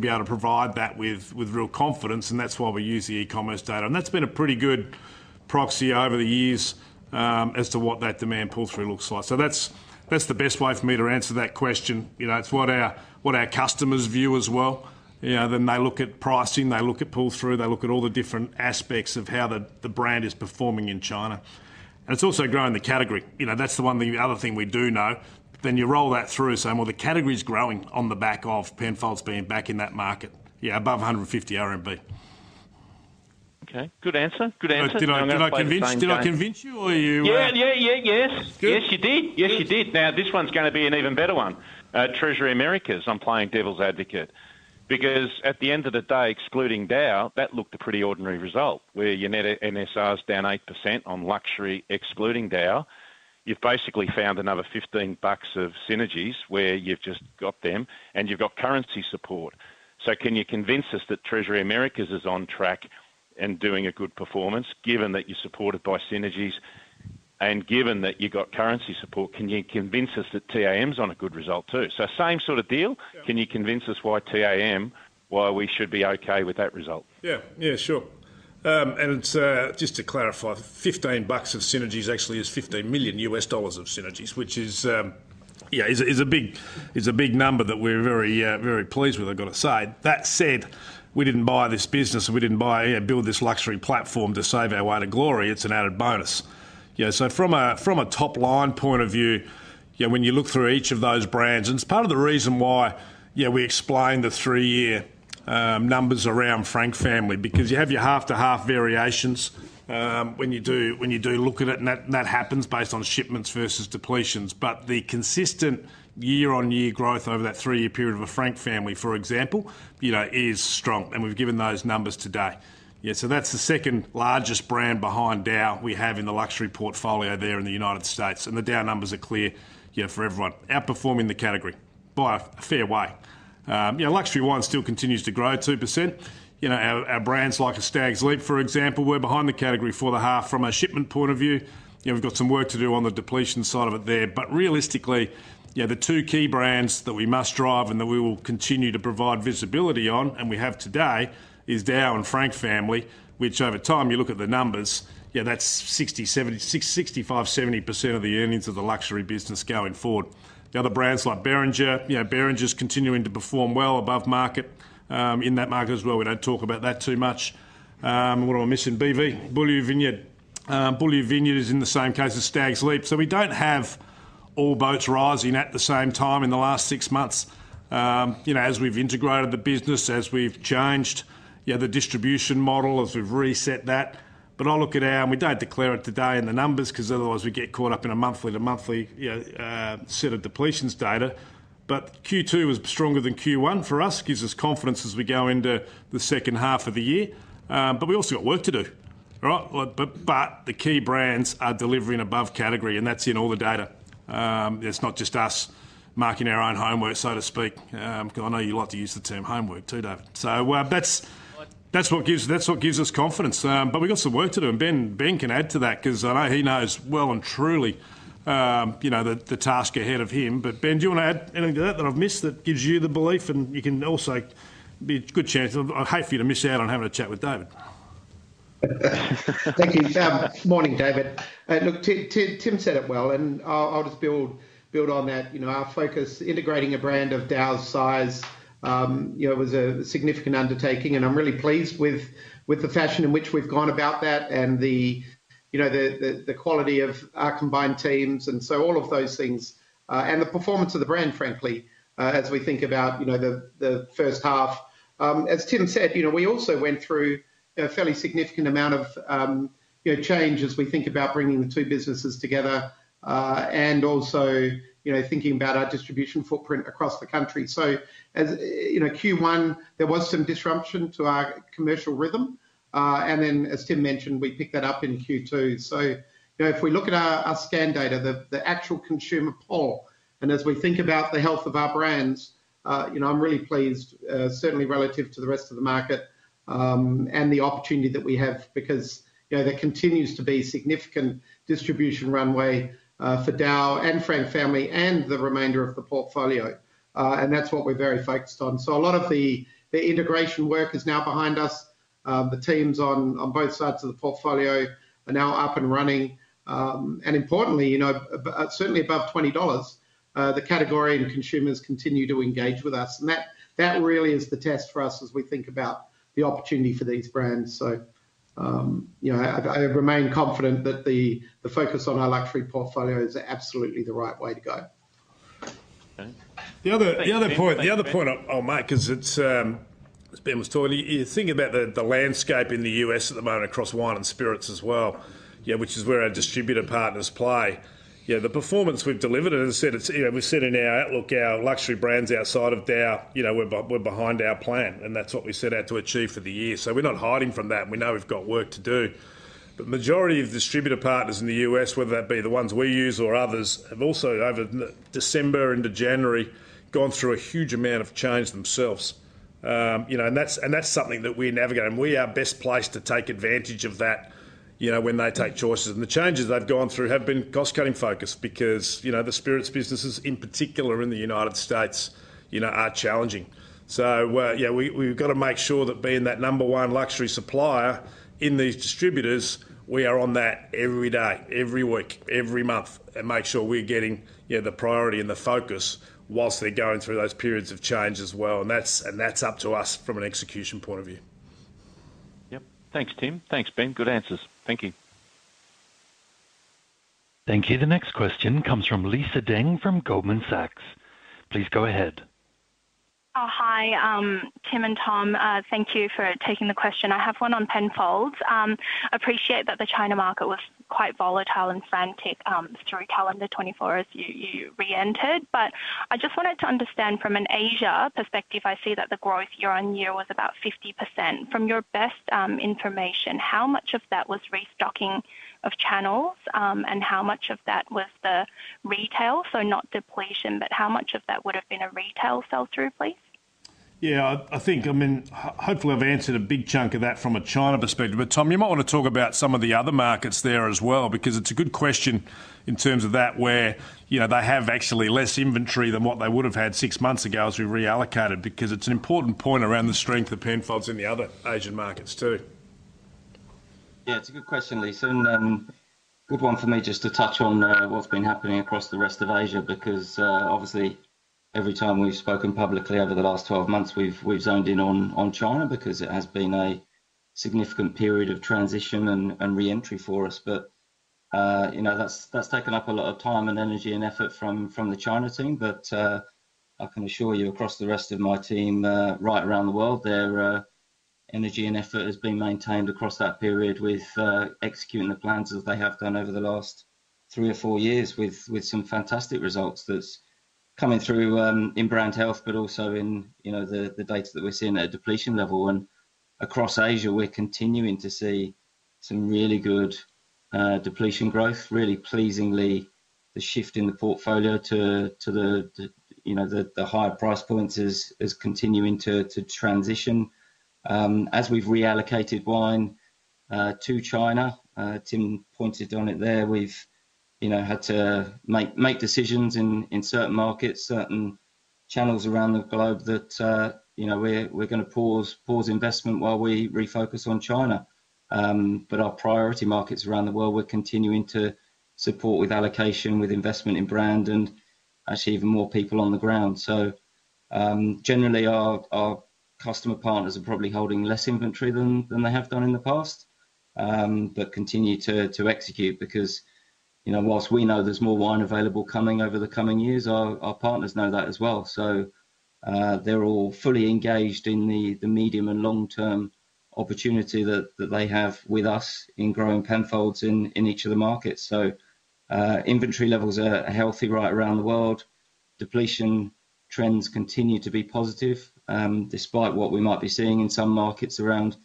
be able to provide that with real confidence, and that's why we use the e-commerce data, and that's been a pretty good proxy over the years as to what that demand pull-through looks like, so that's the best way for me to answer that question. It's what our customers view as well. Then they look at pricing. They look at pull-through. They look at all the different aspects of how the brand is performing in China. And it's also growing the category. That's the other thing we do know. Then you roll that through, saying, well, the category's growing on the back of Penfolds being back in that market, yeah, above 150 RMB Okay. Good answer. Good answer. Did I convince you or you? Yeah, yeah, yeah. Yes. Yes, you did. Yes, you did. Now, this one's going to be an even better one. Treasury Americas, I'm playing devil's advocate because at the end of the day, excluding DAOU, that looked a pretty ordinary result where your net NSR is down 8% on luxury, excluding DAOU. You've basically found another $15 of synergies where you've just got them, and you've got currency support. So can you convince us that Treasury Americas is on track and doing a good performance, given that you're supported by synergies and given that you've got currency support? Can you convince us that TAM's on a good result too? So same sort of deal. Can you convince us why TAM, why we should be okay with that result? Yeah. Yeah, sure. And just to clarify, $15 million of synergies actually is $15 million of synergies, which is a big number that we're very pleased with, I've got to say. That said, we didn't buy this business, and we didn't build this luxury platform to save our way to glory. It's an added bonus. So from a top-line point of view, when you look through each of those brands, and it's part of the reason why we explain the three-year numbers around Frank Family because you have your half-to-half variations when you do look at it, and that happens based on shipments versus depletions. But the consistent year-on-year growth over that three-year period of Frank Family, for example, is strong. And we've given those numbers today. So that's the second largest brand behind DAOU we have in the luxury portfolio there in the United States. And the DAOU numbers are clear for everyone, outperforming the category by a fair way. Luxury wine still continues to grow 2%. Our brands like Stags' Leap, for example, we're behind the category for the half from a shipment point of view. We've got some work to do on the depletion side of it there. But realistically, the two key brands that we must drive and that we will continue to provide visibility on and we have today is DAOU and Frank Family, which over time, you look at the numbers, that's 65-70% of the earnings of the luxury business going forward. The other brands like Beringer, Beringer's continuing to perform well above market in that market as well. We don't talk about that too much. What are we missing? BV, Beaulieu Vineyard. Beaulieu Vineyard is in the same case as Stags' Leap. So, we don't have all boats rising at the same time in the last six months as we've integrated the business, as we've changed the distribution model, as we've reset that. But I'll look at ours, and we don't declare it today in the numbers because otherwise we get caught up in a month-to-month set of depletions data. But Q2 was stronger than Q1 for us, gives us confidence as we go into the second half of the year. But we also got work to do. But the key brands are delivering above category, and that's in all the data. It's not just us marking our own homework, so to speak, because I know you like to use the term homework too, David. So that's what gives us confidence. But we've got some work to do. And Ben can add to that because I know he knows well and truly the task ahead of him. But Ben, do you want to add anything to that that I've missed that gives you the belief? And you can also be a good chance. I hate for you to miss out on having a chat with David. Thank you. Morning, David. Look, Tim said it well, and I'll just build on that. Our focus, integrating a brand of DAOU's size, was a significant undertaking, and I'm really pleased with the manner in which we've gone about that and the quality of our combined teams. And so all of those things and the performance of the brand, frankly, as we think about the first half. As Tim said, we also went through a fairly significant amount of change as we think about bringing the two businesses together and also thinking about our distribution footprint across the country, so Q1, there was some disruption to our commercial rhythm. And then, as Tim mentioned, we picked that up in Q2. If we look at our scan data, the actual consumer pull, and as we think about the health of our brands, I'm really pleased, certainly relative to the rest of the market and the opportunity that we have because there continues to be significant distribution runway for DAOU and Frank Family and the remainder of the portfolio. That's what we're very focused on. A lot of the integration work is now behind us. The teams on both sides of the portfolio are now up and running. Importantly, certainly above $20, the category and consumers continue to engage with us. That really is the test for us as we think about the opportunity for these brands. I remain confident that the focus on our luxury portfolio is absolutely the right way to go. The other point I'll make, because it's been asked, you're thinking about the landscape in the U.S. at the moment across wine and spirits as well, which is where our distributor partners play. The performance we've delivered, as I said, we've set in our outlook our luxury brands outside of DAOU, we're behind our plan, and that's what we set out to achieve for the year. So we're not hiding from that. We know we've got work to do. But the majority of distributor partners in the U.S., whether that be the ones we use or others, have also over December into January gone through a huge amount of change themselves. And that's something that we're navigating. We are best placed to take advantage of that when they take choices. And the changes they've gone through have been cost-cutting focus because the spirits businesses, in particular in the United States, are challenging. So we've got to make sure that being that number one luxury supplier in these distributors, we are on that every day, every week, every month, and make sure we're getting the priority and the focus while they're going through those periods of change as well. And that's up to us from an execution point of view. Yep. Thanks, Tim. Thanks, Ben. Good answers. Thank you. Thank you. The next question comes from Lisa Deng from Goldman Sachs. Please go ahead. Hi, Tim and Tom. Thank you for taking the question. I have one on Penfolds. Appreciate that the China market was quite volatile and frantic through calendar 2024 as you re-entered. But I just wanted to understand from an Asia perspective, I see that the growth year on year was about 50%. From your best information, how much of that was restocking of channels and how much of that was the retail? So not depletion, but how much of that would have been a retail sell-through, please? Yeah. I mean, hopefully, I've answered a big chunk of that from a China perspective. But Tom, you might want to talk about some of the other markets there as well because it's a good question in terms of that where they have actually less inventory than what they would have had six months ago as we reallocated because it's an important point around the strength of Penfolds in the other Asian markets too. Yeah, it's a good question, Lisa, and good one for me just to touch on what's been happening across the rest of Asia because obviously, every time we've spoken publicly over the last 12 months, we've zoned in on China because it has been a significant period of transition and re-entry for us, but that's taken up a lot of time and energy and effort from the China team, but I can assure you across the rest of my team right around the world, their energy and effort has been maintained across that period with executing the plans as they have done over the last three or four years with some fantastic results that's coming through in brand health, but also in the data that we're seeing at a depletion level, and across Asia, we're continuing to see some really good depletion growth. Really pleasingly, the shift in the portfolio to the higher price points is continuing to transition. As we've reallocated wine to China, Tim pointed out it there, we've had to make decisions in certain markets, certain channels around the globe that we're going to pause investment while we refocus on China, but our priority markets around the world, we're continuing to support with allocation, with investment in brand, and actually even more people on the ground, so generally, our customer partners are probably holding less inventory than they have done in the past, but continue to execute because whilst we know there's more wine available coming over the coming years, our partners know that as well, so they're all fully engaged in the medium and long-term opportunity that they have with us in growing Penfolds in each of the markets, so inventory levels are healthy right around the world. Depletion trends continue to be positive despite what we might be seeing in some markets around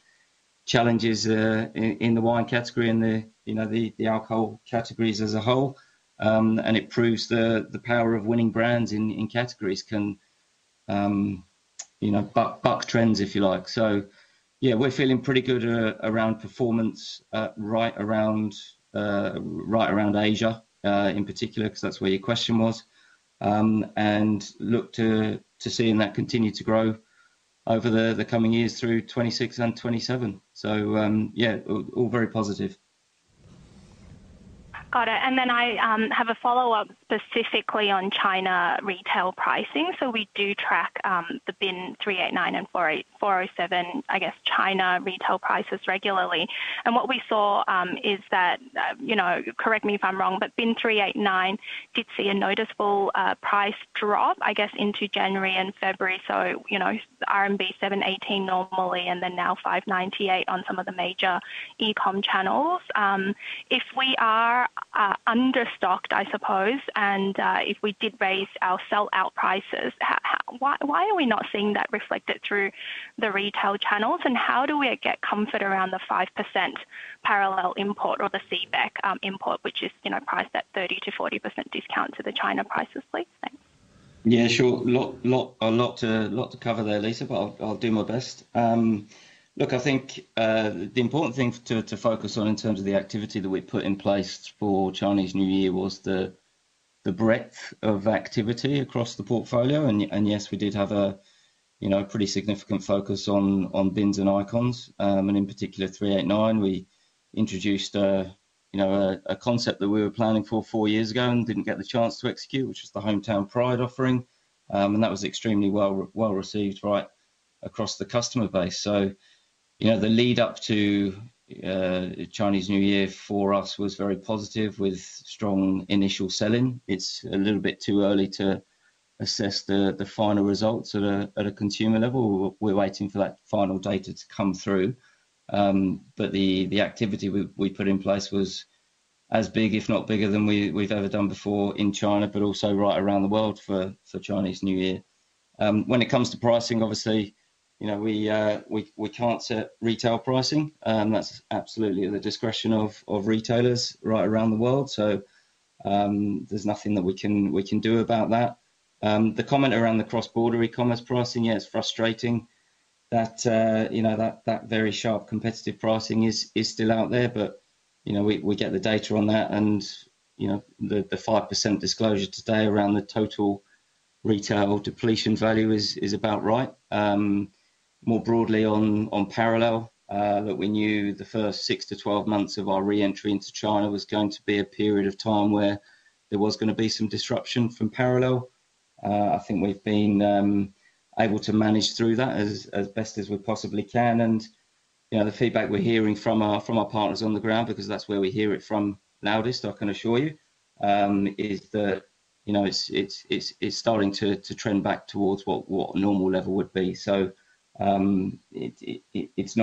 challenges in the wine category and the alcohol categories as a whole. And it proves the power of winning brands in categories can buck trends, if you like. So yeah, we're feeling pretty good around performance right around Asia in particular because that's where your question was. And look to seeing that continue to grow over the coming years through 2026 and 2027. So yeah, all very positive. Got it. And then I have a follow-up specifically on China retail pricing. So we do track the Bin 389 and 407, I guess, China retail prices regularly. And what we saw is that, correct me if I'm wrong, but Bin 389 did see a noticeable price drop, I guess, into January and February. So RMB 718 normally, and then now 598 on some of the major e-com channels. If we are understocked, I suppose, and if we did raise our sell-out prices, why are we not seeing that reflected through the retail channels? And how do we get comfort around the 5% parallel import or the CBEC import, which is priced at 30%-40% discount to the China prices, please? Yeah, sure. A lot to cover there, Lisa, but I'll do my best. Look, I think the important thing to focus on in terms of the activity that we put in place for Chinese New Year was the breadth of activity across the portfolio. Yes, we did have a pretty significant focus on bins and icons. In particular, 389, we introduced a concept that we were planning for four years ago and didn't get the chance to execute, which was the Hometown Pride offering. That was extremely well received right across the customer base. The lead-up to Chinese New Year for us was very positive with strong initial selling. It's a little bit too early to assess the final results at a consumer level. We're waiting for that final data to come through. But the activity we put in place was as big, if not bigger, than we've ever done before in China, but also right around the world for Chinese New Year. When it comes to pricing, obviously, we can't set retail pricing. That's absolutely at the discretion of retailers right around the world. So there's nothing that we can do about that. The comment around the cross-border-commerce pricing, yeah, it's frustrating that that very sharp competitive pricing is still out there. But we get the data on that. And the 5% disclosure today around the total retail depletion value is about right. More broadly on parallel, look, we knew the first six to 12 months of our re-entry into China was going to be a period of time where there was going to be some disruption from parallel. I think we've been able to manage through that as best as we possibly can. And the feedback we're hearing from our partners on the ground, because that's where we hear it from loudest, I can assure you, is that it's starting to trend back towards what a normal level would be. So it's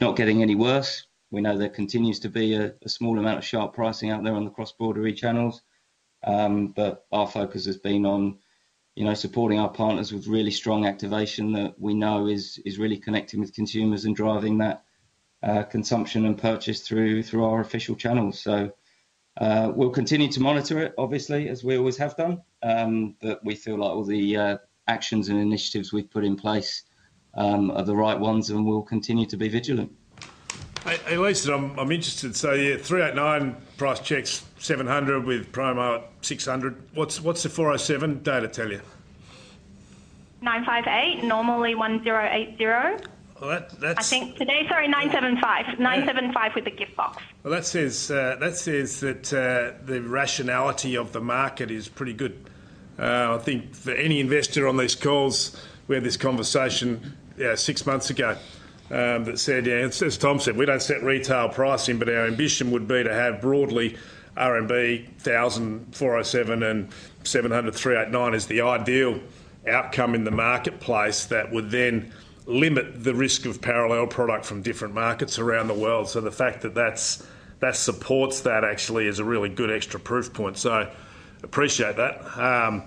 not getting any worse. We know there continues to be a small amount of sharp pricing out there on the cross-border channels. But our focus has been on supporting our partners with really strong activation that we know is really connecting with consumers and driving that consumption and purchase through our official channels. So we'll continue to monitor it, obviously, as we always have done. But we feel like all the actions and initiatives we've put in place are the right ones, and we'll continue to be vigilant. Hey, Lisa, I'm interested. So 389 price checks, 700 with Promo, 600. What's the 407 data tell you? 958, normally 1080. Oh, that's. I think today, sorry, 975, 975 with the gift box. That says that the rationality of the market is pretty good. I think for any investor on these calls we had this conversation six months ago that said, yeah, as Tom said, we don't set retail pricing, but our ambition would be to have broadly RMB 1000, 407, and 700, 389 as the ideal outcome in the marketplace that would then limit the risk of parallel product from different markets around the world. So the fact that that supports that actually is a really good extra proof point. So appreciate that. And.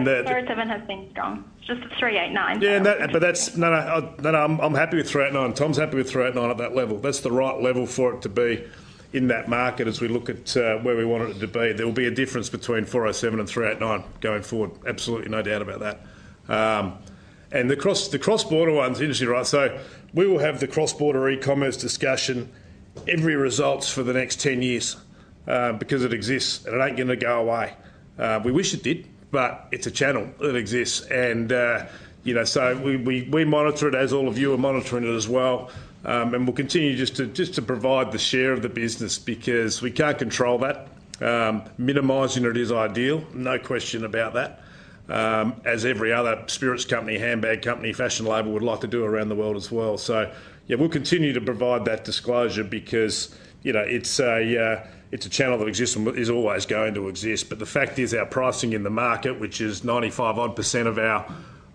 407 has been strong. It's just 389. Yeah, but that's no, no, I'm happy with 389. Tom's happy with 389 at that level. That's the right level for it to be in that market as we look at where we want it to be. There will be a difference between 407 and 389 going forward. Absolutely no doubt about that. And the cross-border wine industry, right? So we will have the cross-border e-commerce discussion in every results for the next 10 years because it exists. And it ain't going to go away. We wish it did, but it's a channel that exists. And so we monitor it as all of you are monitoring it as well. And we'll continue just to provide the share of the business because we can't control that. Minimizing it is ideal, no question about that, as every other spirits company, handbag company, fashion label would like to do around the world as well. So yeah, we'll continue to provide that disclosure because it's a channel that exists and is always going to exist. But the fact is our pricing in the market, which is 95-odd%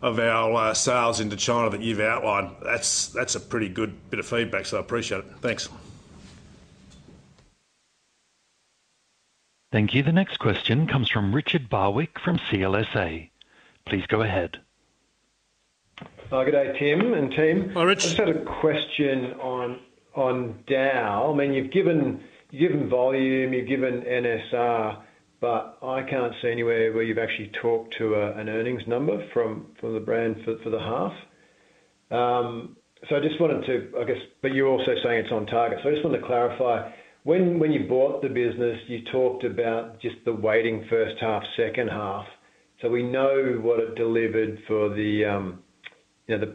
of our sales into China that you've outlined, that's a pretty good bit of feedback. So I appreciate it. Thanks. Thank you. The next question comes from Richard Barwick from CLSA. Please go ahead. Hi, good day, Tim and team. Hi, Rich. I just had a question on DAOU. I mean, you've given volume, you've given NSR, but I can't see anywhere where you've actually talked to an earnings number from the brand for the half. So I just wanted to, I guess, but you're also saying it's on target. So I just want to clarify. When you bought the business, you talked about just the weighting first half, second half. So we know what it delivered for the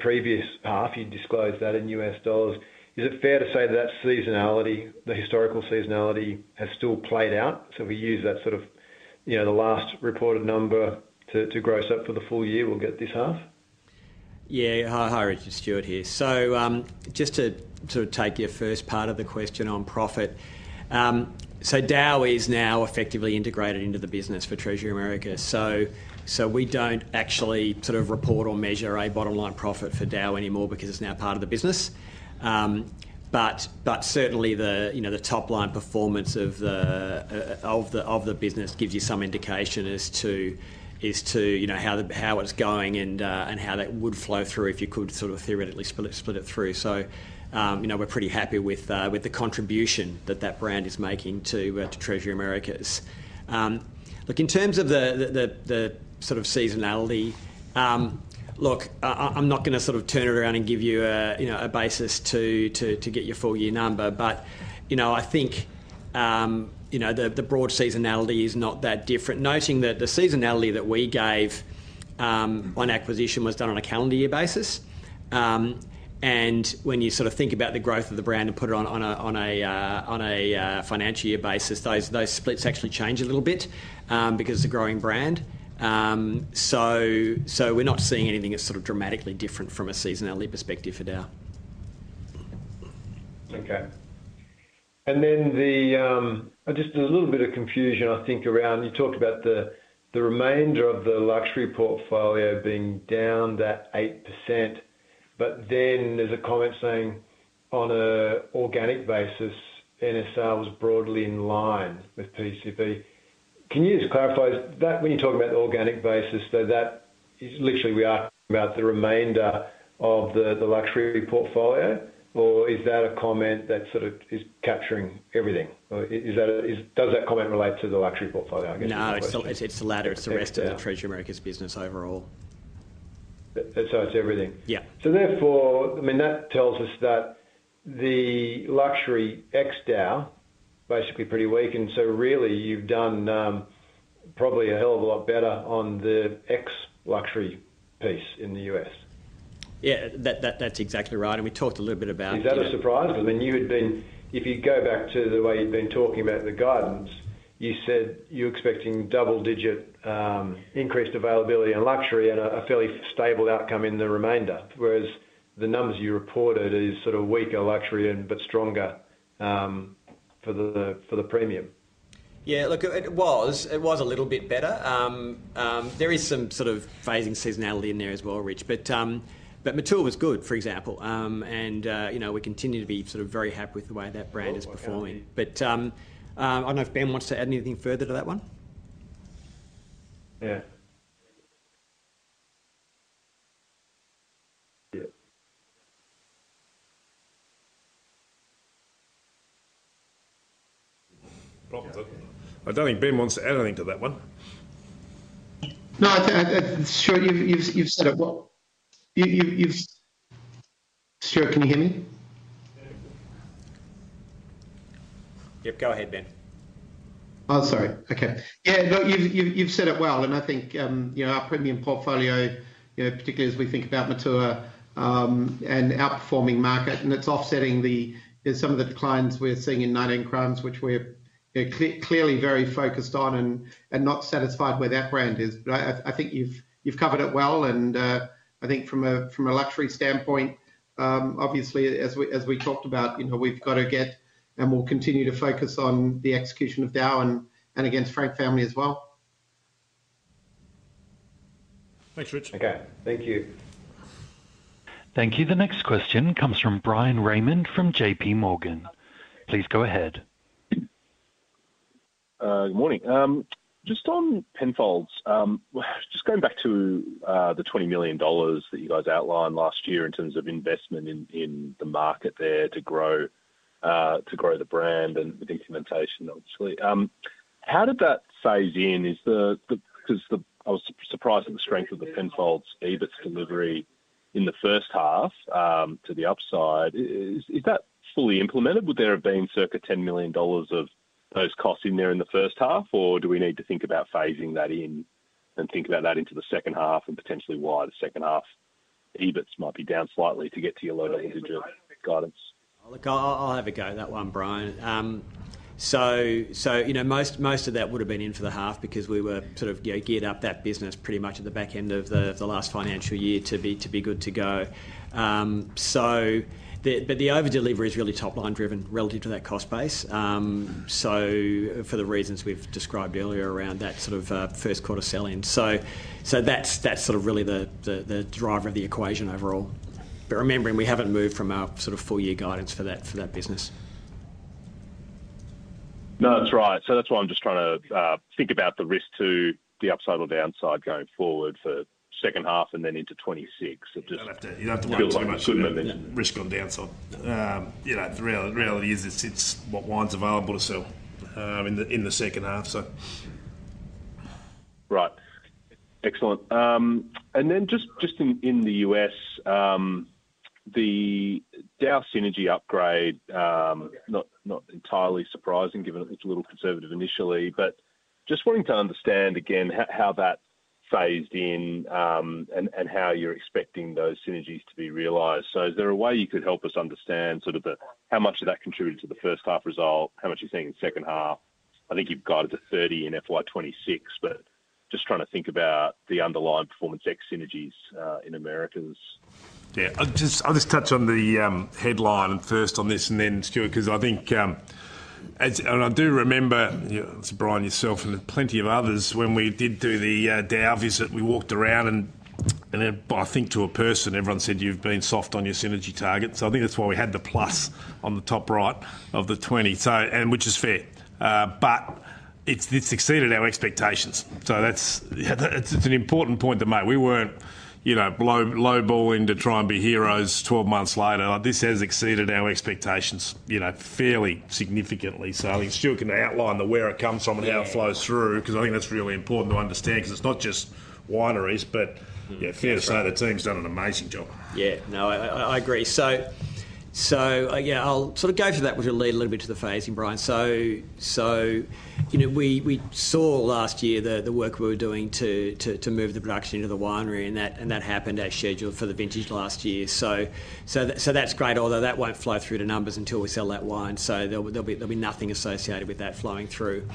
previous half. You disclosed that in U.S. dollars. Is it fair to say that that seasonality, the historical seasonality has still played out? So if we use that sort of the last reported number to gross up for the full year, we'll get this half? Yeah. Hi, Richard. Stuart here. So just to sort of take your first part of the question on profit. So DAOU is now effectively integrated into the business for Treasury Americas. So we don't actually sort of report or measure a bottom-line profit for DAOU anymore because it's now part of the business. But certainly, the top-line performance of the business gives you some indication as to how it's going and how that would flow through if you could sort of theoretically split it through. So we're pretty happy with the contribution that that brand is making to Treasury Americas. Look, in terms of the sort of seasonality, look, I'm not going to sort of turn it around and give you a basis to get your full year number. But I think the broad seasonality is not that different. Noting that the seasonality that we gave on acquisition was done on a calendar year basis. And when you sort of think about the growth of the brand and put it on a financial year basis, those splits actually change a little bit because it's a growing brand. So we're not seeing anything that's sort of dramatically different from a seasonality perspective for DAOU. Okay. And then just a little bit of confusion, I think, around you talked about the remainder of the luxury portfolio being down that 8%. But then there's a comment saying on an organic basis, NSR was broadly in line with PCP. Can you just clarify that when you're talking about the organic basis, that is literally we are talking about the remainder of the luxury portfolio, or is that a comment that sort of is capturing everything? Does that comment relate to the luxury portfolio, I guess? No, it's the latter. It's the rest of the Treasury Americas business overall. It's everything. Yeah. So therefore, I mean, that tells us that the luxury ex-DAOU basically pretty weak. And so really, you've done probably a hell of a lot better on the ex-luxury piece in the U.S. Yeah, that's exactly right. And we talked a little bit about. Is that a surprise? I mean, you had been, if you go back to the way you've been talking about the guidance, you said you're expecting double-digit increased availability in luxury and a fairly stable outcome in the remainder, whereas the numbers you reported are sort of weaker luxury but stronger for the premium. Yeah, look, it was a little bit better. There is some sort of phasing seasonality in there as well, Rich. But Matua was good, for example. And we continue to be sort of very happy with the way that brand is performing. But I don't know if Ben wants to add anything further to that one. Yeah. Yeah. I don't think Ben wants to add anything to that one. No, I think you've said it well. Stuart, can you hear me? Yep, go ahead, Ben. Yeah, look, you've said it well. And I think our premium portfolio, particularly as we think about Matua and outperforming market, and it's offsetting some of the declines we're seeing in 19 Crimes, which we're clearly very focused on and not satisfied where that brand is. But I think you've covered it well. And I think from a luxury standpoint, obviously, as we talked about, we've got to get and we'll continue to focus on the execution of DAOU and against Frank Family as well. Thanks, Rich. Okay. Thank you. Thank you. The next question comes from Bryan Raymond from JPMorgan. Please go ahead. Good morning. Just on Penfolds, just going back to the 20 million dollars that you guys outlined last year in terms of investment in the market there to grow the brand and the implementation, obviously. How did that phase in? Because I was surprised at the strength of the Penfolds EBIT delivery in the first half to the upside. Is that fully implemented? Would there have been circa 10 million dollars of those costs in there in the first half, or do we need to think about phasing that in and think about that into the second half and potentially why the second half EBITs might be down slightly to get to your lower digit guidance? Look, I'll have a go at that one, Brian. So most of that would have been in for the half because we were sort of geared up that business pretty much at the back end of the last financial year to be good to go. But the overdelivery is really top-line driven relative to that cost base, so for the reasons we've described earlier around that sort of first quarter sell-in. So that's sort of really the driver of the equation overall. But remembering, we haven't moved from our sort of full year guidance for that business. No, that's right. So that's why I'm just trying to think about the risk to the upside or downside going forward for second half and then into 2026. You don't have to worry too much about the risk on the downside. The reality is it's what wines are available to sell in the second half, so. Right. Excellent. And then just in the U.S., the DAOU synergy upgrade, not entirely surprising given it's a little conservative initially, but just wanting to understand again how that phased in and how you're expecting those synergies to be realized. So is there a way you could help us understand sort of how much of that contributed to the first half result, how much you're seeing in the second half? I think you've guided to 30 in FY26, but just trying to think about the underlying performance ex-synergies in Americas. Yeah. I'll just touch on the headline first on this and then Stuart, because I think I do remember, Brian, yourself, and plenty of others, when we did do the DAOU visit, we walked around, and I think to a person, everyone said, "You've been soft on your synergy targets." So I think that's why we had the plus on the top right of the 20, which is fair. But it's exceeded our expectations. So it's an important point to make. We weren't lowballing to try and be heroes 12 months later. This has exceeded our expectations fairly significantly. So I think Stuart can outline where it comes from and how it flows through, because I think that's really important to understand, because it's not just wineries, but fair to say the team's done an amazing job. Yeah. No, I agree. So yeah, I'll sort of go through that, which will lead a little bit to the phasing, Brian. So we saw last year the work we were doing to move the production into the winery, and that happened as scheduled for the vintage last year. So that's great, although that won't flow through to numbers until we sell that wine. So there'll be nothing associated with that flowing through.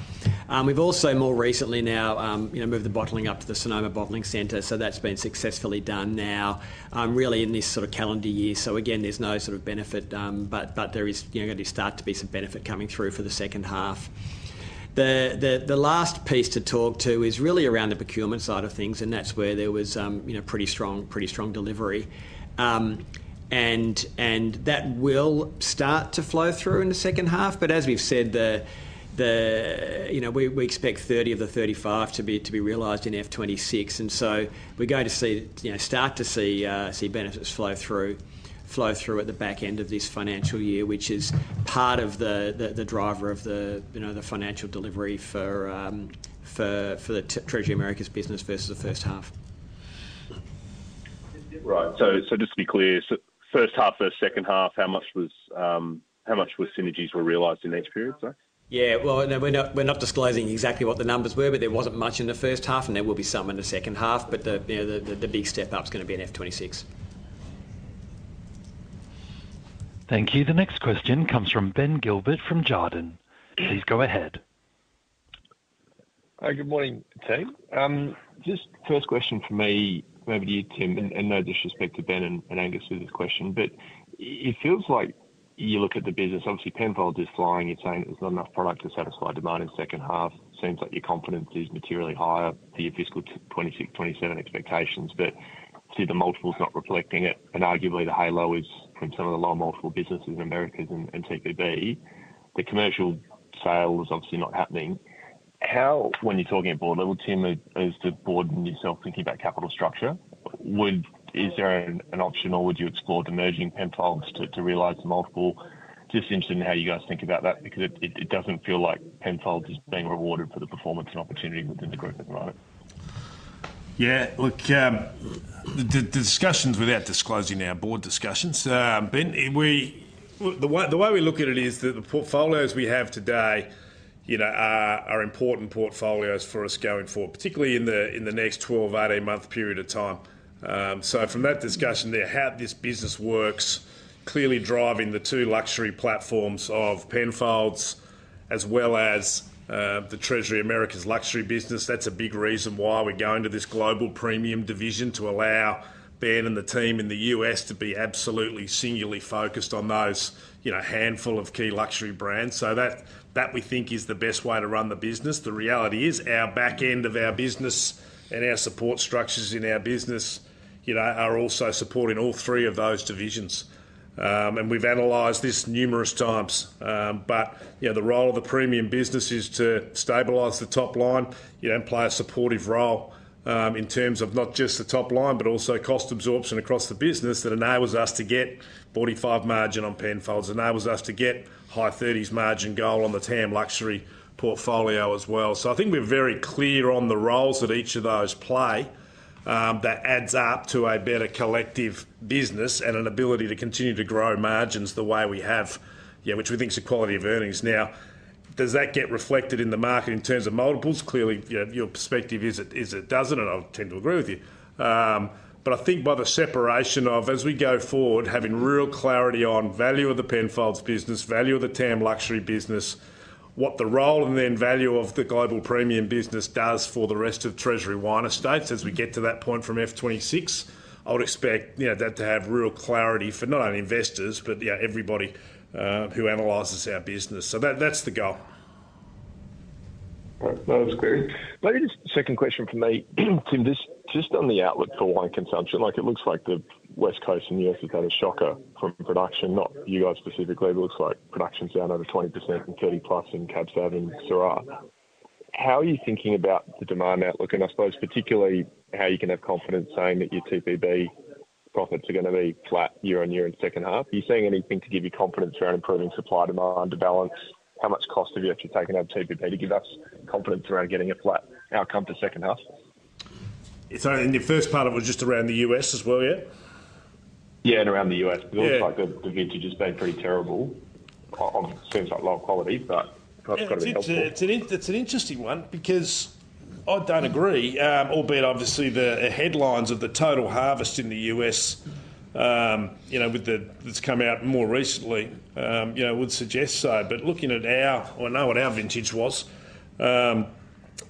We've also more recently now moved the bottling up to the Sonoma Bottling Center. So that's been successfully done now, really in this sort of calendar year. So again, there's no sort of benefit, but there is going to start to be some benefit coming through for the second half. The last piece to talk to is really around the procurement side of things, and that's where there was pretty strong delivery. And that will start to flow through in the second half. But as we've said, we expect 30 of the 35 to be realized in F26. And so we're going to start to see benefits flow through at the back end of this financial year, which is part of the driver of the financial delivery for the Treasury Americas business versus the first half. Right. So just to be clear, first half versus second half, how much synergies were realized in that experience? Yeah. Well, we're not disclosing exactly what the numbers were, but there wasn't much in the first half, and there will be some in the second half. But the big step up is going to be in F26. Thank you. The next question comes from Ben Gilbert from Jarden. Please go ahead. Hi, good morning, team. Just first question for me, over to you, Tim, and no disrespect to Ben and Angus with this question, but it feels like you look at the business, obviously, Penfolds is flying. You're saying there's not enough product to satisfy demand in the second half. It seems like your confidence is materially higher for your fiscal 2026, 2027 expectations, but see the multiples not reflecting it. And arguably, the halo is from some of the lower multiple businesses in Americas and TPB. The commercial sale is obviously not happening. When you're talking at board level, Tim, as to board and yourself thinking about capital structure, is there an option or would you explore the merging Penfolds to realize the multiple? Just interested in how you guys think about that, because it doesn't feel like Penfolds is being rewarded for the performance and opportunity within the group, right? Yeah. Look, without disclosing our board discussions, Ben, the way we look at it is that the portfolios we have today are important portfolios for us going forward, particularly in the next 12-18-month period of time. So from that discussion, how this business works, clearly driving the two luxury platforms of Penfolds as well as the Treasury Americas' luxury business, that's a big reason why we're going to this Global Premium Division to allow Ben and the team in the U.S. to be absolutely singularly focused on those handful of key luxury brands. So that we think is the best way to run the business. The reality is our back end of our business and our support structures in our business are also supporting all three of those divisions, and we've analyzed this numerous times. But the role of the premium business is to stabilize the top line and play a supportive role in terms of not just the top line, but also cost absorption across the business that enables us to get 45% margin on Penfolds, enables us to get high 30s% margin goal on the TAM luxury portfolio as well. So I think we're very clear on the roles that each of those play that adds up to a better collective business and an ability to continue to grow margins the way we have, which we think is a quality of earnings. Now, does that get reflected in the market in terms of multiples? Clearly, your perspective is it doesn't, and I tend to agree with you. But I think by the separation of, as we go forward, having real clarity on value of the Penfolds business, value of the TAM luxury business, what the role and then value of the global premium business does for the rest of Treasury Wine Estates as we get to that point from F26, I would expect that to have real clarity for not only investors, but everybody who analyzes our business. So that's the goal. That was clear. Maybe just a second question for me, Tim, just on the outlook for wine consumption. It looks like the West Coast and the U.S. has had a shocker from production, not you guys specifically. It looks like production's down over 20% and 30 plus in Cab Sauv and Syrah. How are you thinking about the demand outlook? And I suppose particularly how you can have confidence saying that your TPB profits are going to be flat year on year in the second half. Are you seeing anything to give you confidence around improving supply demand to balance? How much cost have you actually taken out of TPB to give us confidence around getting a flat outcome to second half? Sorry, the first part of it was just around the U.S. as well, yeah? Yeah, and around the U.S. It looks like the vintage has been pretty terrible. It seems like low quality, but it's got to be helpful. It's an interesting one because I don't agree, albeit obviously the headlines of the total harvest in the U.S. with that that's come out more recently would suggest so. But looking at our, I know what our vintage was, and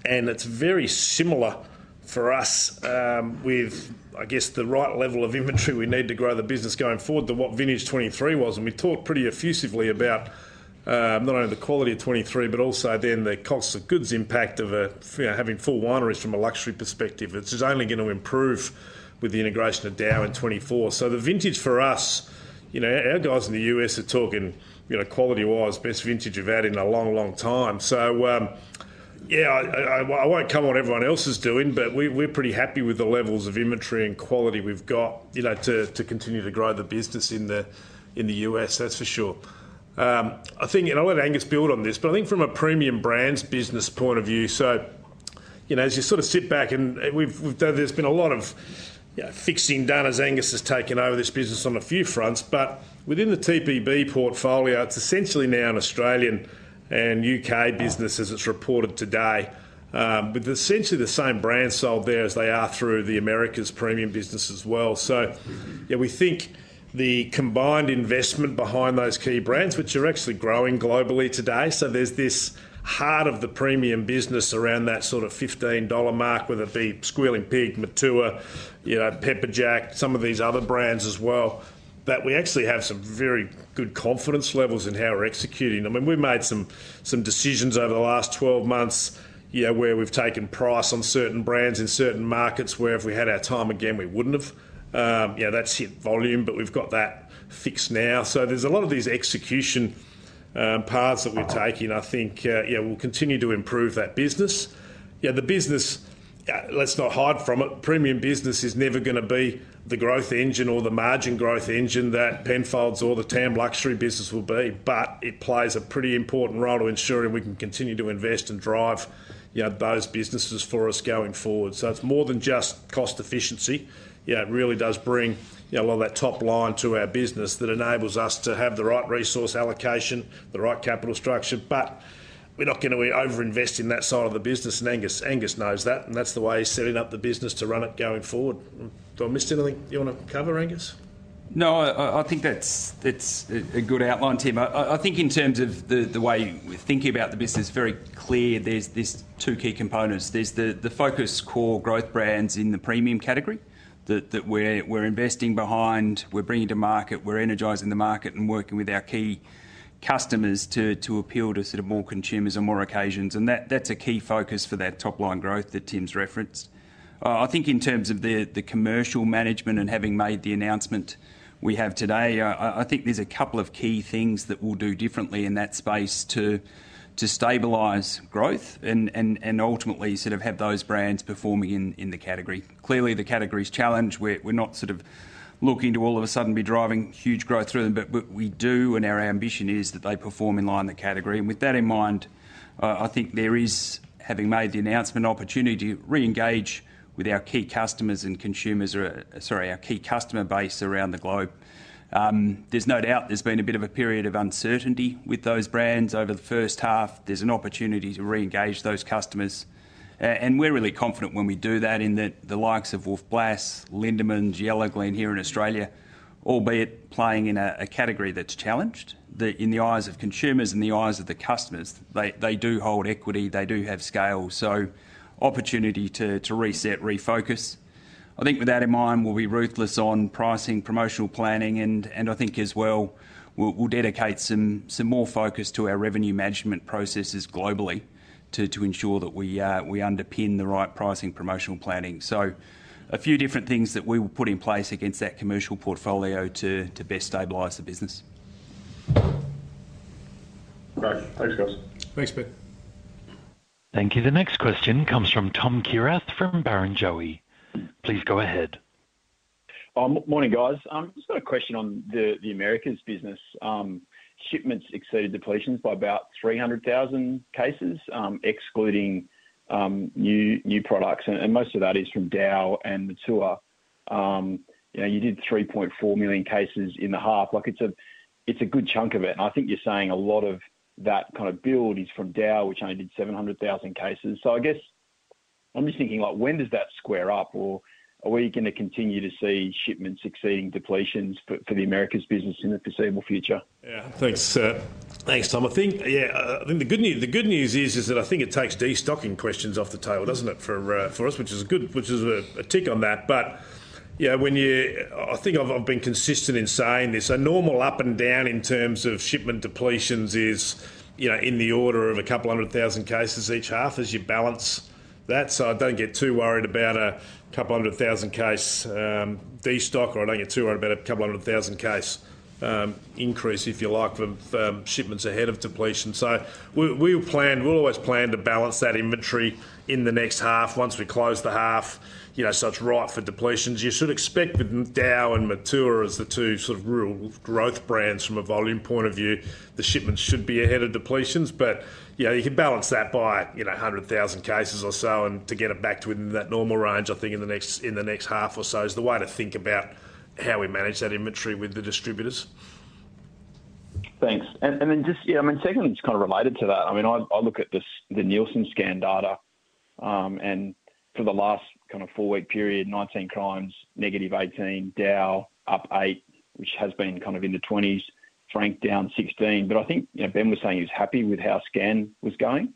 it's very similar for us with, I guess, the right level of inventory we need to grow the business going forward to what vintage 2023 was. And we talked pretty effusively about not only the quality of 2023, but also then the cost of goods impact of having full wineries from a luxury perspective. It's only going to improve with the integration of DAOU in 2024. So the vintage for us, our guys in the U.S. are talking quality-wise, best vintage you've had in a long, long time. So yeah, I won't comment on everyone else's doing, but we're pretty happy with the levels of inventory and quality we've got to continue to grow the business in the U.S. That's for sure. I'll let Angus build on this. But I think from a premium brands business point of view, so as you sort of sit back, and there's been a lot of fixing done as Angus has taken over this business on a few fronts, but within the TPB portfolio, it's essentially now an Australian and U.K. business as it's reported today, with essentially the same brands sold there as they are through the Americas premium business as well. Yeah, we think the combined investment behind those key brands, which are actually growing globally today. So there's this heart of the premium business around that sort of $15 mark, whether it be Squealing Pig, Matua, Pepperjack, some of these other brands as well, that we actually have some very good confidence levels in how we're executing. I mean, we made some decisions over the last 12 months where we've taken price on certain brands in certain markets where if we had our time again, we wouldn't have. That's hit volume, but we've got that fixed now. So there's a lot of these execution paths that we're taking. I think we'll continue to improve that business. The business, let's not hide from it, premium business is never going to be the growth engine or the margin growth engine that Penfolds or the TAM luxury business will be, but it plays a pretty important role in ensuring we can continue to invest and drive those businesses for us going forward. So it's more than just cost efficiency. It really does bring a lot of that top line to our business that enables us to have the right resource allocation, the right capital structure. But we're not going to overinvest in that side of the business, and Angus knows that, and that's the way he's setting up the business to run it going forward. Do I miss anything you want to cover, Angus? No, I think that's a good outline, Tim. I think in terms of the way we're thinking about the business, very clear, there's these two key components. There's the focus core growth brands in the premium category that we're investing behind, we're bringing to market, we're energizing the market and working with our key customers to appeal to sort of more consumers on more occasions. And that's a key focus for that top line growth that Tim's referenced. I think in terms of the commercial management and having made the announcement we have today, I think there's a couple of key things that we'll do differently in that space to stabilize growth and ultimately sort of have those brands performing in the category. Clearly, the category's challenge. We're not sort of looking to all of a sudden be driving huge growth through them, but we do, and our ambition is that they perform in line the category. And with that in mind, I think there is, having made the announcement, an opportunity to reengage with our key customers and consumers, sorry, our key customer base around the globe. There's no doubt there's been a bit of a period of uncertainty with those brands over the first half. There's an opportunity to re-engage those customers. And we're really confident when we do that in the likes of Wolf Blass, Lindeman's, Yellowglen here in Australia, albeit playing in a category that's challenged, that in the eyes of consumers and the eyes of the customers, they do hold equity, they do have scale. So opportunity to reset, refocus. I think with that in mind, we'll be ruthless on pricing, promotional planning, and I think as well, we'll dedicate some more focus to our revenue management processes globally to ensure that we underpin the right pricing, promotional planning, so a few different things that we will put in place against that commercial portfolio to best stabilize the business. Thanks, guys. Thanks, Ben. Thank you. The next question comes from Tom Kierath from Barrenjoey. Please go ahead. Morning, guys. I just got a question on the Americas business. Shipments exceeded depletions by about 300,000 cases, excluding new products, and most of that is from DAOU and Matua. You did 3.4 million cases in the half. It's a good chunk of it. And I think you're saying a lot of that kind of build is from DAOU, which only did 700,000 cases. So I guess I'm just thinking, when does that square up? Or are we going to continue to see shipments exceeding depletions for the Americas business in the foreseeable future? Yeah. Thanks, Tom. I think the good news is that I think it takes destocking questions off the table, doesn't it, for us, which is a tick on that. But I think I've been consistent in saying this. A normal up and down in terms of shipments, depletions is in the order of a couple hundred thousand cases each half as you balance that. So I don't get too worried about a couple hundred thousand case destock, or I don't get too worried about a couple hundred thousand case increase, if you like, from shipments ahead of depletion. So we'll always plan to balance that inventory in the next half once we close the half so it's ripe for depletions. You should expect with DAOU and Matua as the two sort of real growth brands from a volume point of view, the shipments should be ahead of depletions. But you can balance that by 100,000 cases or so, and to get it back to within that normal range, I think in the next half or so is the way to think about how we manage that inventory with the distributors. Thanks. And then just, I mean, secondly, it's kind of related to that. I mean, I look at the Nielsen scan data, and for the last kind of four-week period, 19 Crimes, negative 18, DAOU up 8, which has been kind of in the 20s, Frank down 16. But I think Ben was saying he was happy with how scan was going.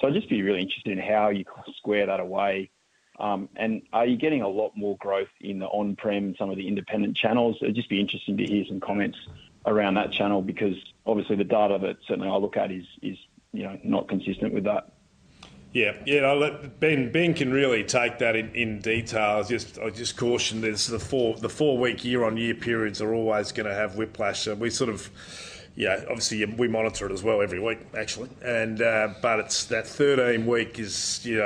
So I'd just be really interested in how you square that away. And are you getting a lot more growth in the on-prem, some of the independent channels? It'd just be interesting to hear some comments around that channel because obviously the data that certainly I look at is not consistent with that. Yeah. Yeah. Ben can really take that in detail. I just cautioned this. The four-week year-on-year periods are always going to have whiplash. And we sort of, obviously, we monitor it as well every week, actually. But that 13-week,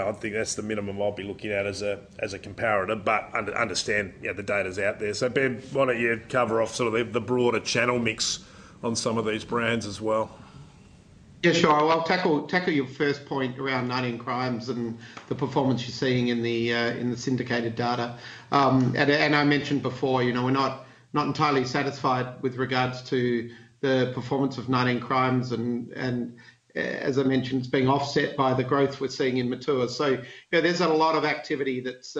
I think that's the minimum I'll be looking at as a comparator, but understand the data's out there. So Ben, why don't you cover off sort of the broader channel mix on some of these brands as well? Yeah, sure. I'll tackle your first point around 19 Crimes and the performance you're seeing in the syndicated data. I mentioned before, we're not entirely satisfied with regards to the performance of 19 Crimes, and as I mentioned, it's being offset by the growth we're seeing in Matua. There's a lot of activity that's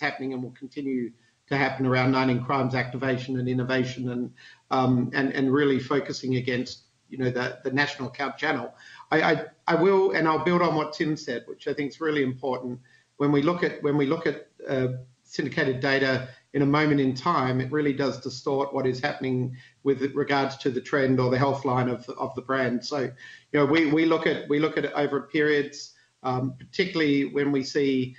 happening and will continue to happen around 19 Crimes activation and innovation and really focusing against the national account channel. I'll build on what Tim said, which I think is really important. When we look at syndicated data in a moment in time, it really does distort what is happening with regards to the trend or the health line of the brand. We look at it over periods, particularly when we see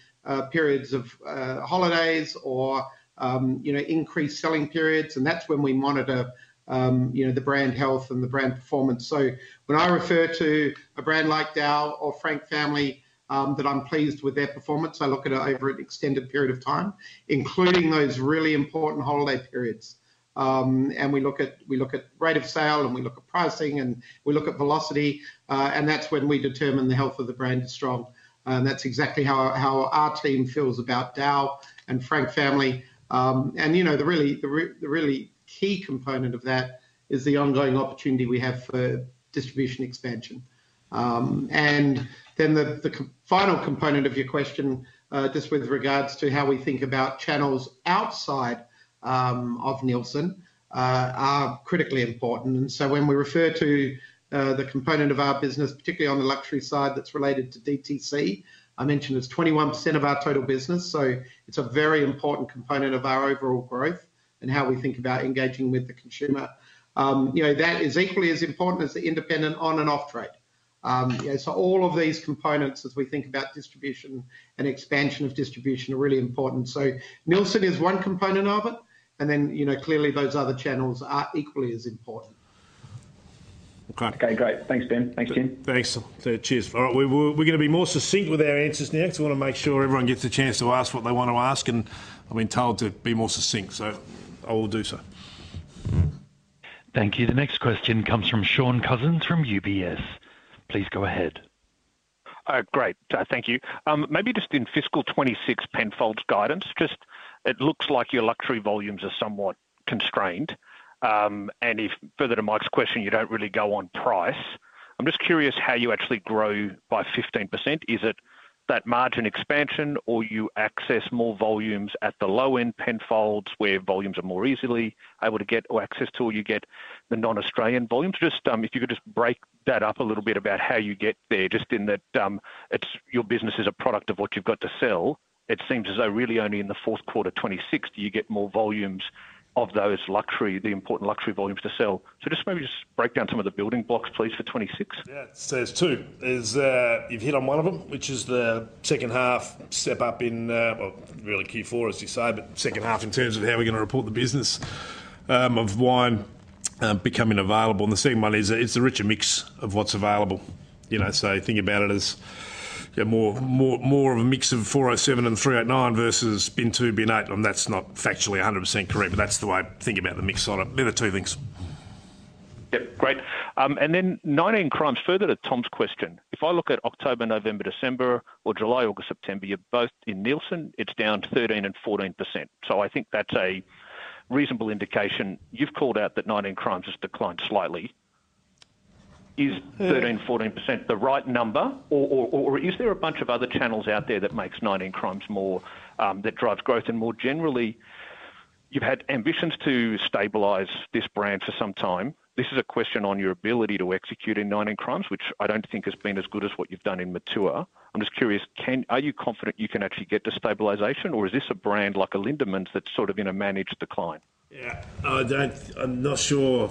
periods of holidays or increased selling periods, and that's when we monitor the brand health and the brand performance. So when I refer to a brand like DAOU or Frank Family that I'm pleased with their performance, I look at it over an extended period of time, including those really important holiday periods. And we look at rate of sale, and we look at pricing, and we look at velocity, and that's when we determine the health of the brand is strong. And that's exactly how our team feels about DAOU and Frank Family. And the really key component of that is the ongoing opportunity we have for distribution expansion. And then the final component of your question, just with regards to how we think about channels outside of Nielsen, are critically important. And so when we refer to the component of our business, particularly on the luxury side that's related to DTC, I mentioned it's 21% of our total business, so it's a very important component of our overall growth and how we think about engaging with the consumer. That is equally as important as the independent on- and off-trade. So all of these components, as we think about distribution and expansion of distribution, are really important. So Nielsen is one component of it, and then clearly those other channels are equally as important. Okay. Great. Thanks, Ben. Thanks, Tim. Thanks. Cheers. All right. We're going to be more succinct with our answers next. I want to make sure everyone gets a chance to ask what they want to ask, and I've been told to be more succinct, so I will do so. Thank you. The next question comes from Shaun Cousins from UBS. Please go ahead. Great. Thank you. Maybe just in fiscal 2026 Penfolds guidance, it looks like your luxury volumes are somewhat constrained. And further to Mike's question, you don't really go on price. I'm just curious how you actually grow by 15%. Is it that margin expansion, or you access more volumes at the low-end Penfolds where volumes are more easily able to get or access to, or you get the non-Australian volumes? Just if you could just break that up a little bit about how you get there, just in that your business is a product of what you've got to sell, it seems as though really only in the fourth quarter '26 do you get more volumes of those luxury, the important luxury volumes to sell. So just maybe just break down some of the building blocks, please, for '26. Yeah. So there's two. You've hit on one of them, which is the second half step up in, well, really Q4, as you say, but second half in terms of how we're going to report the business of wine becoming available. And the second one is it's a richer mix of what's available. So think about it as more of a mix of 407 and 389 versus Bin 2, Bin 8. And that's not factually 100% correct, but that's the way I think about the mix on it. They're the two things. Yep. Great. And then 19 Crimes, further to Tom's question, if I look at October, November, December, or July, August, September, you're both in Nielsen, it's down 13%-14%. So I think that's a reasonable indication. You've called out that 19 Crimes has declined slightly. Is 13%-14% the right number, or is there a bunch of other channels out there that makes 19 Crimes more that drives growth? And more generally, you've had ambitions to stabilize this brand for some time. This is a question on your ability to execute in 19 Crimes, which I don't think has been as good as what you've done in Matua. I'm just curious, are you confident you can actually get to stabilization, or is this a brand like a Lindeman's that's sort of in a managed decline? Yeah. I'm not sure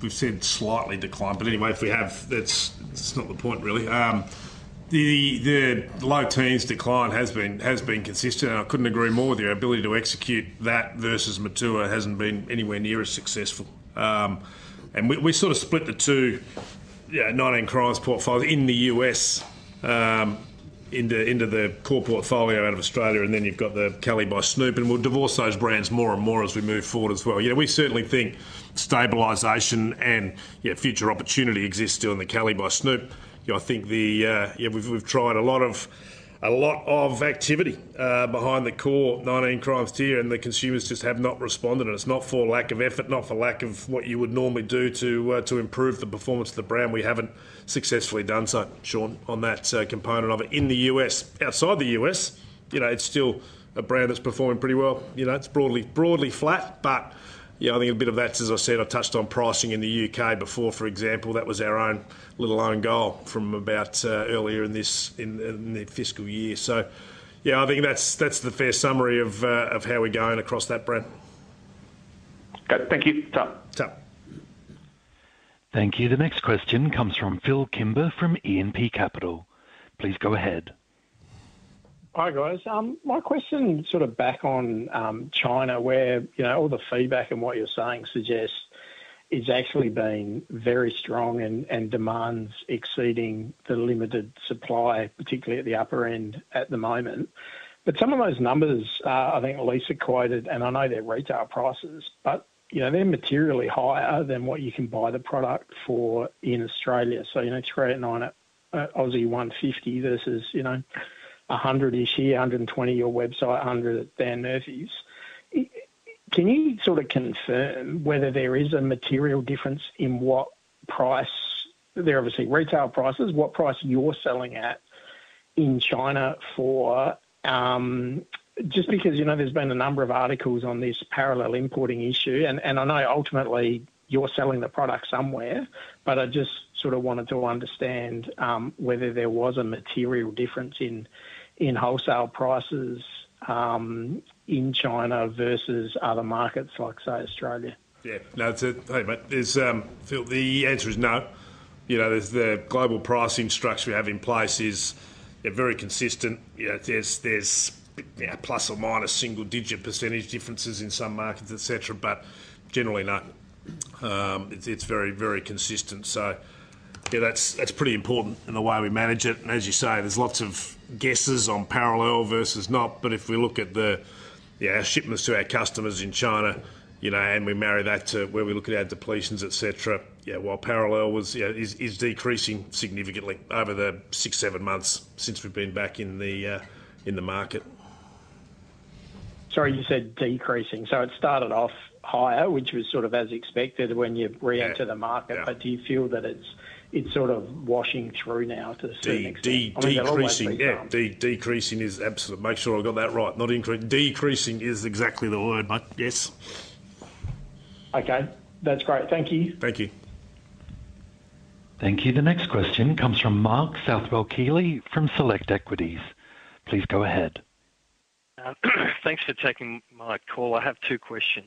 we've said slightly decline, but anyway, if we have, that's not the point, really. The low teens decline has been consistent, and I couldn't agree more. The ability to execute that versus Matua hasn't been anywhere near as successful. And we sort of split the two 19 Crimes portfolios in the U.S. into the core portfolio out of Australia, and then you've got the Cali by Snoop, and we'll divorce those brands more and more as we move forward as well. We certainly think stabilization and future opportunity exist still in the Cali by Snoop. I think we've tried a lot of activity behind the core 19 Crimes tier, and the consumers just have not responded. And it's not for lack of effort, not for lack of what you would normally do to improve the performance of the brand. We haven't successfully done so, Shaun, on that component of it. In the U.S., outside the U.S., it's still a brand that's performing pretty well. It's broadly flat, but I think a bit of that's, as I said, I touched on pricing in the U.K. before, for example. That was our own little own goal from about earlier in the fiscal year. So yeah, I think that's the fair summary of how we're going across that brand. Good. Thank you. Top. Top. Thank you. The next question comes from Phil Kimber from E&P Capital. Please go ahead. Hi, guys. My question sort of back on China, where all the feedback and what you're saying suggests it's actually been very strong and demands exceeding the limited supply, particularly at the upper end at the moment. But some of those numbers, I think Lisa quoted, and I know they're retail prices, but they're materially higher than what you can buy the product for in Australia. So you're going to trade an 150 versus 100-ish here, 120 your website, 100 at Dan Murphy's. Can you sort of confirm whether there is a material difference in what price? They're obviously retail prices. What price you're selling at in China for? Just because there's been a number of articles on this parallel importing issue, and I know ultimately you're selling the product somewhere, but I just sort of wanted to understand whether there was a material difference in wholesale prices in China versus other markets like, say, Australia? Yeah. No, it's a hey, mate. The answer is no. The global pricing structure we have in place is very consistent. There's plus or minus single-digit % differences in some markets, etc., but generally no. It's very, very consistent. So yeah, that's pretty important in the way we manage it. And as you say, there's lots of guesses on parallel versus not, but if we look at the shipments to our customers in China and we marry that to where we look at our depletions, etc., yeah, well, parallel is decreasing significantly over the six, seven months since we've been back in the market. Sorry, you said decreasing. So it started off higher, which was sort of as expected when you re-entered the market, but do you feel that it's sort of washing through now to the same extent? Decreasing. Yeah. Decreasing is absolute. Make sure I got that right. Not increasing. Decreasing is exactly the word, mate. Yes. Okay. That's great. Thank you. Thank you. Thank you. The next question comes from Mark Southwell-Keely from Select Equities. Please go ahead. Thanks for taking my call. I have two questions.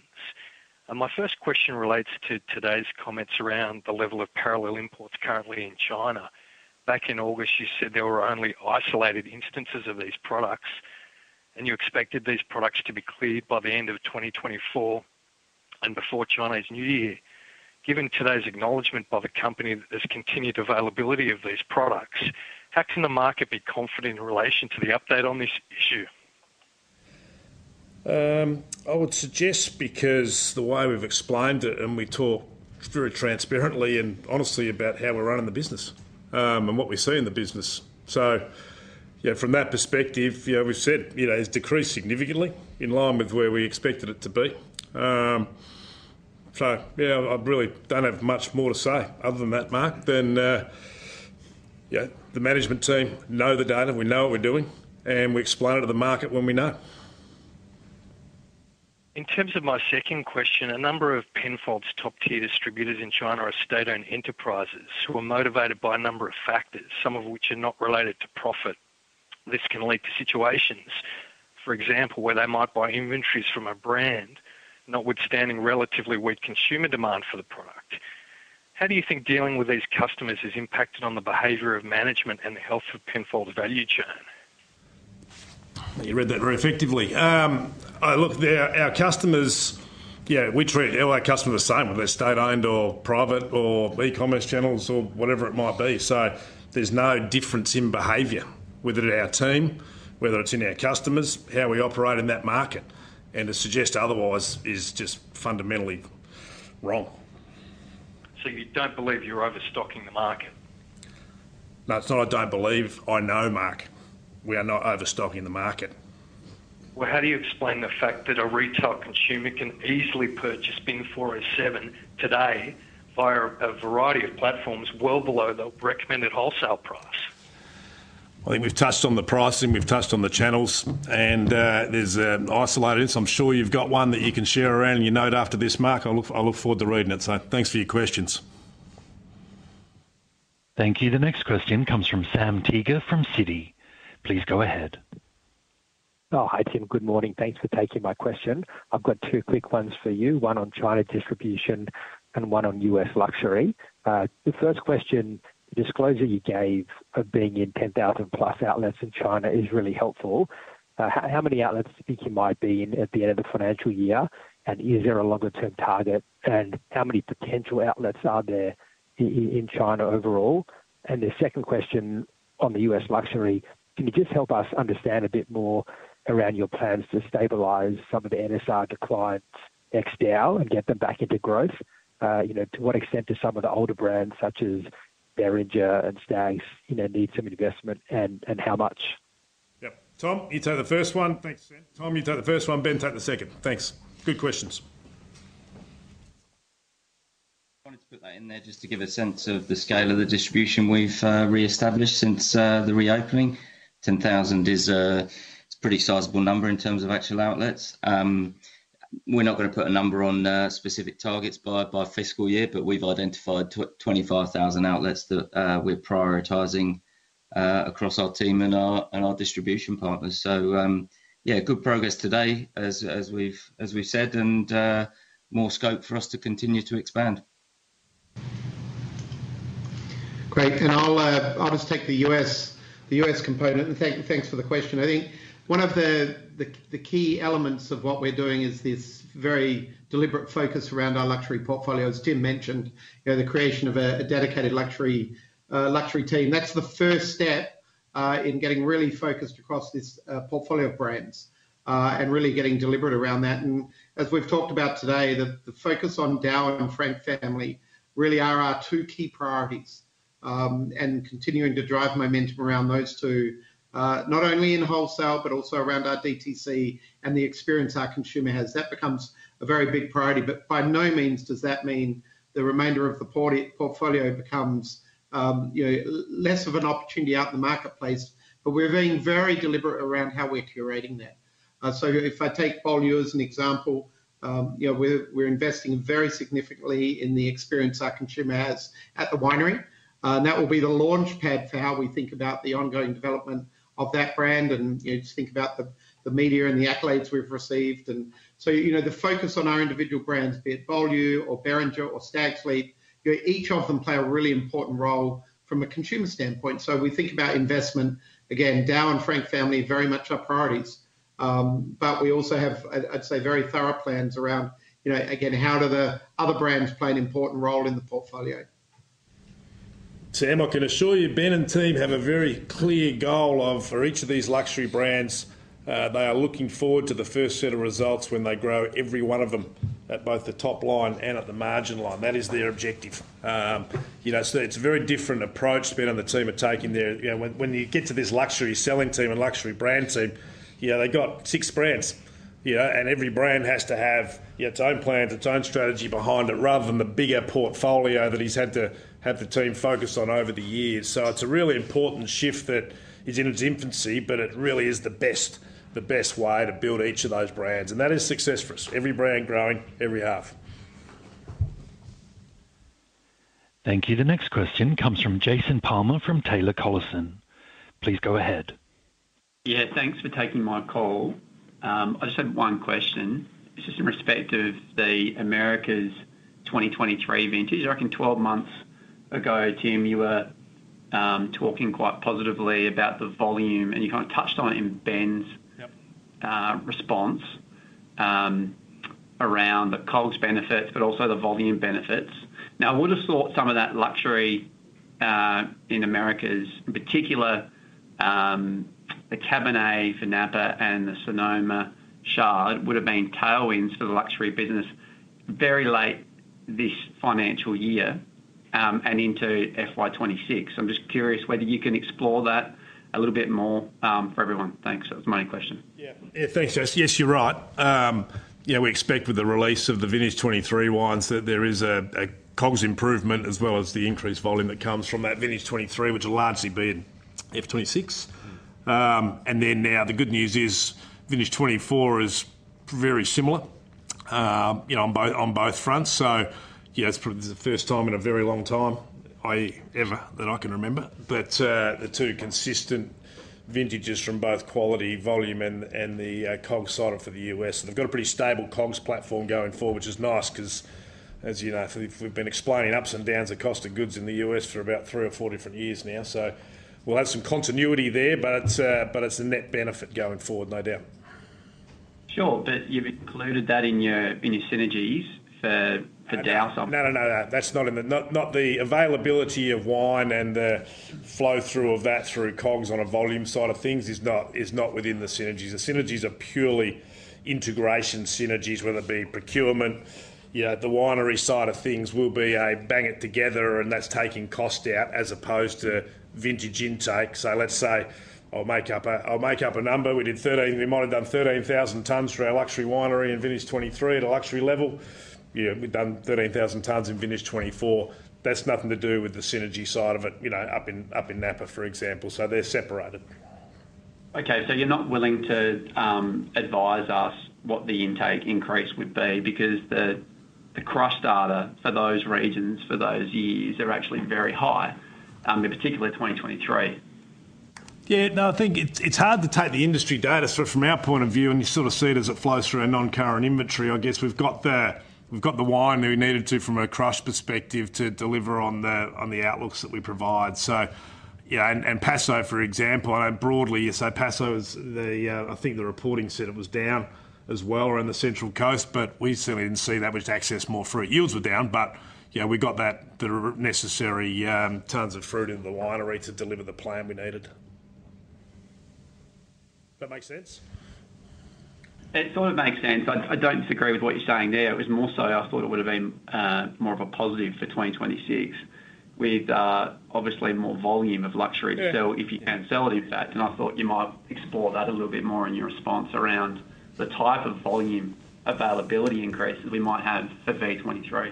My first question relates to today's comments around the level of parallel imports currently in China. Back in August, you said there were only isolated instances of these products, and you expected these products to be cleared by the end of 2024 and before China's New Year. Given today's acknowledgement by the company that there's continued availability of these products, how can the market be confident in relation to the update on this issue? I would suggest, because the way we've explained it, and we talked very transparently and honestly about how we're running the business and what we see in the business. So from that perspective, we've said it's decreased significantly in line with where we expected it to be. So yeah, I really don't have much more to say other than that, Mark, that the management team know the data, we know what we're doing, and we explain it to the market when we know. In terms of my second question, a number of Penfolds top-tier distributors in China are state-owned enterprises who are motivated by a number of factors, some of which are not related to profit. This can lead to situations, for example, where they might buy inventories from a brand notwithstanding relatively weak consumer demand for the product. How do you think dealing with these customers has impacted on the behaviour of management and the health of Penfolds' value chain? You read that very effectively. Look, our customers, yeah, we treat all our customers the same whether they're state-owned or private or e-commerce channels or whatever it might be. So there's no difference in behavior, whether at our team, whether it's in our customers, how we operate in that market. And to suggest otherwise is just fundamentally wrong. So you don't believe you're overstocking the market? No, it's not, I don't believe. I know, Mark. We are not overstocking the market. How do you explain the fact that a retail consumer can easily purchase Bin 407 today via a variety of platforms well below the recommended wholesale price? I think we've touched on the pricing, we've touched on the channels, and there's isolated. So I'm sure you've got one that you can share around and you'll note after this, Mark. I look forward to reading it. So thanks for your questions. Thank you. The next question comes from Sam Teeger from Citi. Please go ahead. Oh, hi, Tim. Good morning. Thanks for taking my question. I've got two quick ones for you, one on China distribution and one on U.S. luxury. The first question, the disclosure you gave of being in 10,000-plus outlets in China is really helpful. How many outlets do you think you might be in at the end of the financial year, and is there a longer-term target, and how many potential outlets are there in China overall? And the second question on the U.S. luxury, can you just help us understand a bit more around your plans to stabilise some of the NSR declines ex DAOU and get them back into growth? To what extent do some of the older brands such as Beringer and Stags' need some investment, and how much? Yep. Tom, you take the first one. Thanks, Sam. Ben, take the second. Thanks. Good questions. I wanted to put that in there just to give a sense of the scale of the distribution we've re-established since the reopening. 10,000 is a pretty sizable number in terms of actual outlets. We're not going to put a number on specific targets by fiscal year, but we've identified 25,000 outlets that we're prioritizing across our team and our distribution partners. So yeah, good progress today, as we've said, and more scope for us to continue to expand. Great. And I'll just take the U.S. component. Thanks for the question. I think one of the key elements of what we're doing is this very deliberate focus around our luxury portfolio. As Tim mentioned, the creation of a dedicated luxury team. That's the first step in getting really focused across this portfolio of brands and really getting deliberate around that. And as we've talked about today, the focus on DAOU and Frank Family really are our two key priorities and continuing to drive momentum around those two, not only in wholesale, but also around our DTC and the experience our consumer has. That becomes a very big priority. But by no means does that mean the remainder of the portfolio becomes less of an opportunity out in the marketplace, but we're being very deliberate around how we're curating that. So if I take Beaulieu as an example, we're investing very significantly in the experience our consumer has at the winery. And that will be the launchpad for how we think about the ongoing development of that brand and just think about the media and the accolades we've received. And so the focus on our individual brands, be it Beaulieu or Beringer or Stags', each of them play a really important role from a consumer standpoint. So we think about investment, again, DAOU and Frank Family are very much our priorities, but we also have, I'd say, very thorough plans around, again, how do the other brands play an important role in the portfolio. Sam, I can assure you Ben and team have a very clear goal of, for each of these luxury brands, they are looking forward to the first set of results when they grow every one of them at both the top line and at the margin line. That is their objective. So it's a very different approach Ben and the team are taking there. When you get to this luxury selling team and luxury brand team, they've got six brands, and every brand has to have its own plan, its own strategy behind it rather than the bigger portfolio that he's had to have the team focus on over the years. So it's a really important shift that is in its infancy, but it really is the best way to build each of those brands, and that is success for us. Every brand growing, every half. Thank you. The next question comes from Jason Palmer from Taylor Collison. Please go ahead. Yeah, thanks for taking my call. I just have one question. It's just in respect of the Americas 2023 vintage. I reckon 12 months ago, Tim, you were talking quite positively about the volume, and you kind of touched on it in Ben's response around the COGS benefits, but also the volume benefits. Now, I would have thought some of that luxury in Americas, in particular, the Cabernet from Napa and the Sonoma Chard would have been tailwinds for the luxury business very late this financial year and into FY26. I'm just curious whether you can explore that a little bit more for everyone. Thanks. That was my only question. Yeah. Yeah, thanks, Jase. Yes, you're right. We expect with the release of the Vintage 2023 wines that there is a COGS improvement as well as the increased volume that comes from that Vintage 2023, which will largely be in F26. Then now the good news is Vintage 2024 is very similar on both fronts. So it's probably the first time in a very long time, ever, that I can remember, that the two consistent vintages from both quality, volume, and the COGS side for the U.S. And they've got a pretty stable COGS platform going forward, which is nice because, as you know, we've been explaining ups and downs of cost of goods in the U.S. for about three or four different years now. So we'll have some continuity there, but it's a net benefit going forward, no doubt. Sure. But you've included that in your synergies for DAOU something. No, no, no. That's not in the availability of wine and the flow-through of that through COGS on a volume side of things is not within the synergies. The synergies are purely integration synergies, whether it be procurement. The winery side of things will be a bang it together, and that's taking cost out as opposed to vintage intake. So let's say I'll make up a number. We did 13. We might have done 13,000 tons for our luxury winery in Vintage '23 at a luxury level. We've done 13,000 tons in Vintage '24. That's nothing to do with the synergy side of it up in Napa, for example. So they're separated. Okay. So you're not willing to advise us what the intake increase would be because the crush data for those regions for those years are actually very high, in particular 2023. Yeah. No, I think it's hard to take the industry data from our point of view, and you sort of see it as it flows through our non-current inventory. I guess we've got the wine that we needed to from a crush perspective to deliver on the outlooks that we provide. So yeah. And Paso, for example, I know broadly, you say Paso is the, I think the reporting said it was down as well around the Central Coast, but we certainly didn't see that much excess fruit. Yields were down, but we got the necessary tons of fruit in the winery to deliver the plan we needed. That make sense? It sort of makes sense. I don't disagree with what you're saying there. It was more so I thought it would have been more of a positive for 2026 with obviously more volume of luxury still if you can sell it, in fact, and I thought you might explore that a little bit more in your response around the type of volume availability increases we might have for V23.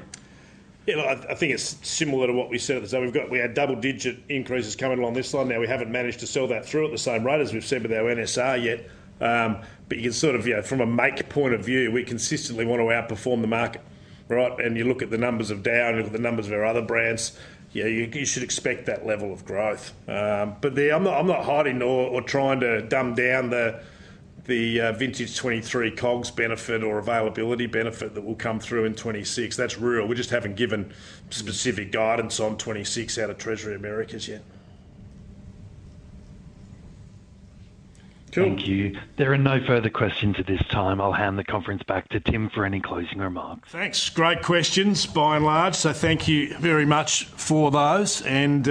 Yeah. I think it's similar to what we said. So we had double-digit increases coming along this line. Now, we haven't managed to sell that through at the same rate as we've said with our NSR yet. But you can sort of, from a market point of view, we consistently want to outperform the market, right? And you look at the numbers of DAOU, you look at the numbers of our other brands, you should expect that level of growth. But I'm not hiding or trying to dumb down the Vintage 2023 COGS benefit or availability benefit that will come through in 2026. That's real. We just haven't given specific guidance on 2026 out of Treasury Americas yet. Thank you. There are no further questions at this time. I'll hand the conference back to Tim for any closing remarks. Thanks. Great questions by and large. So thank you very much for those, and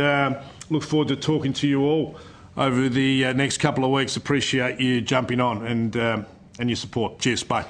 look forward to talking to you all over the next couple of weeks. Appreciate you jumping on and your support. Cheers. Bye.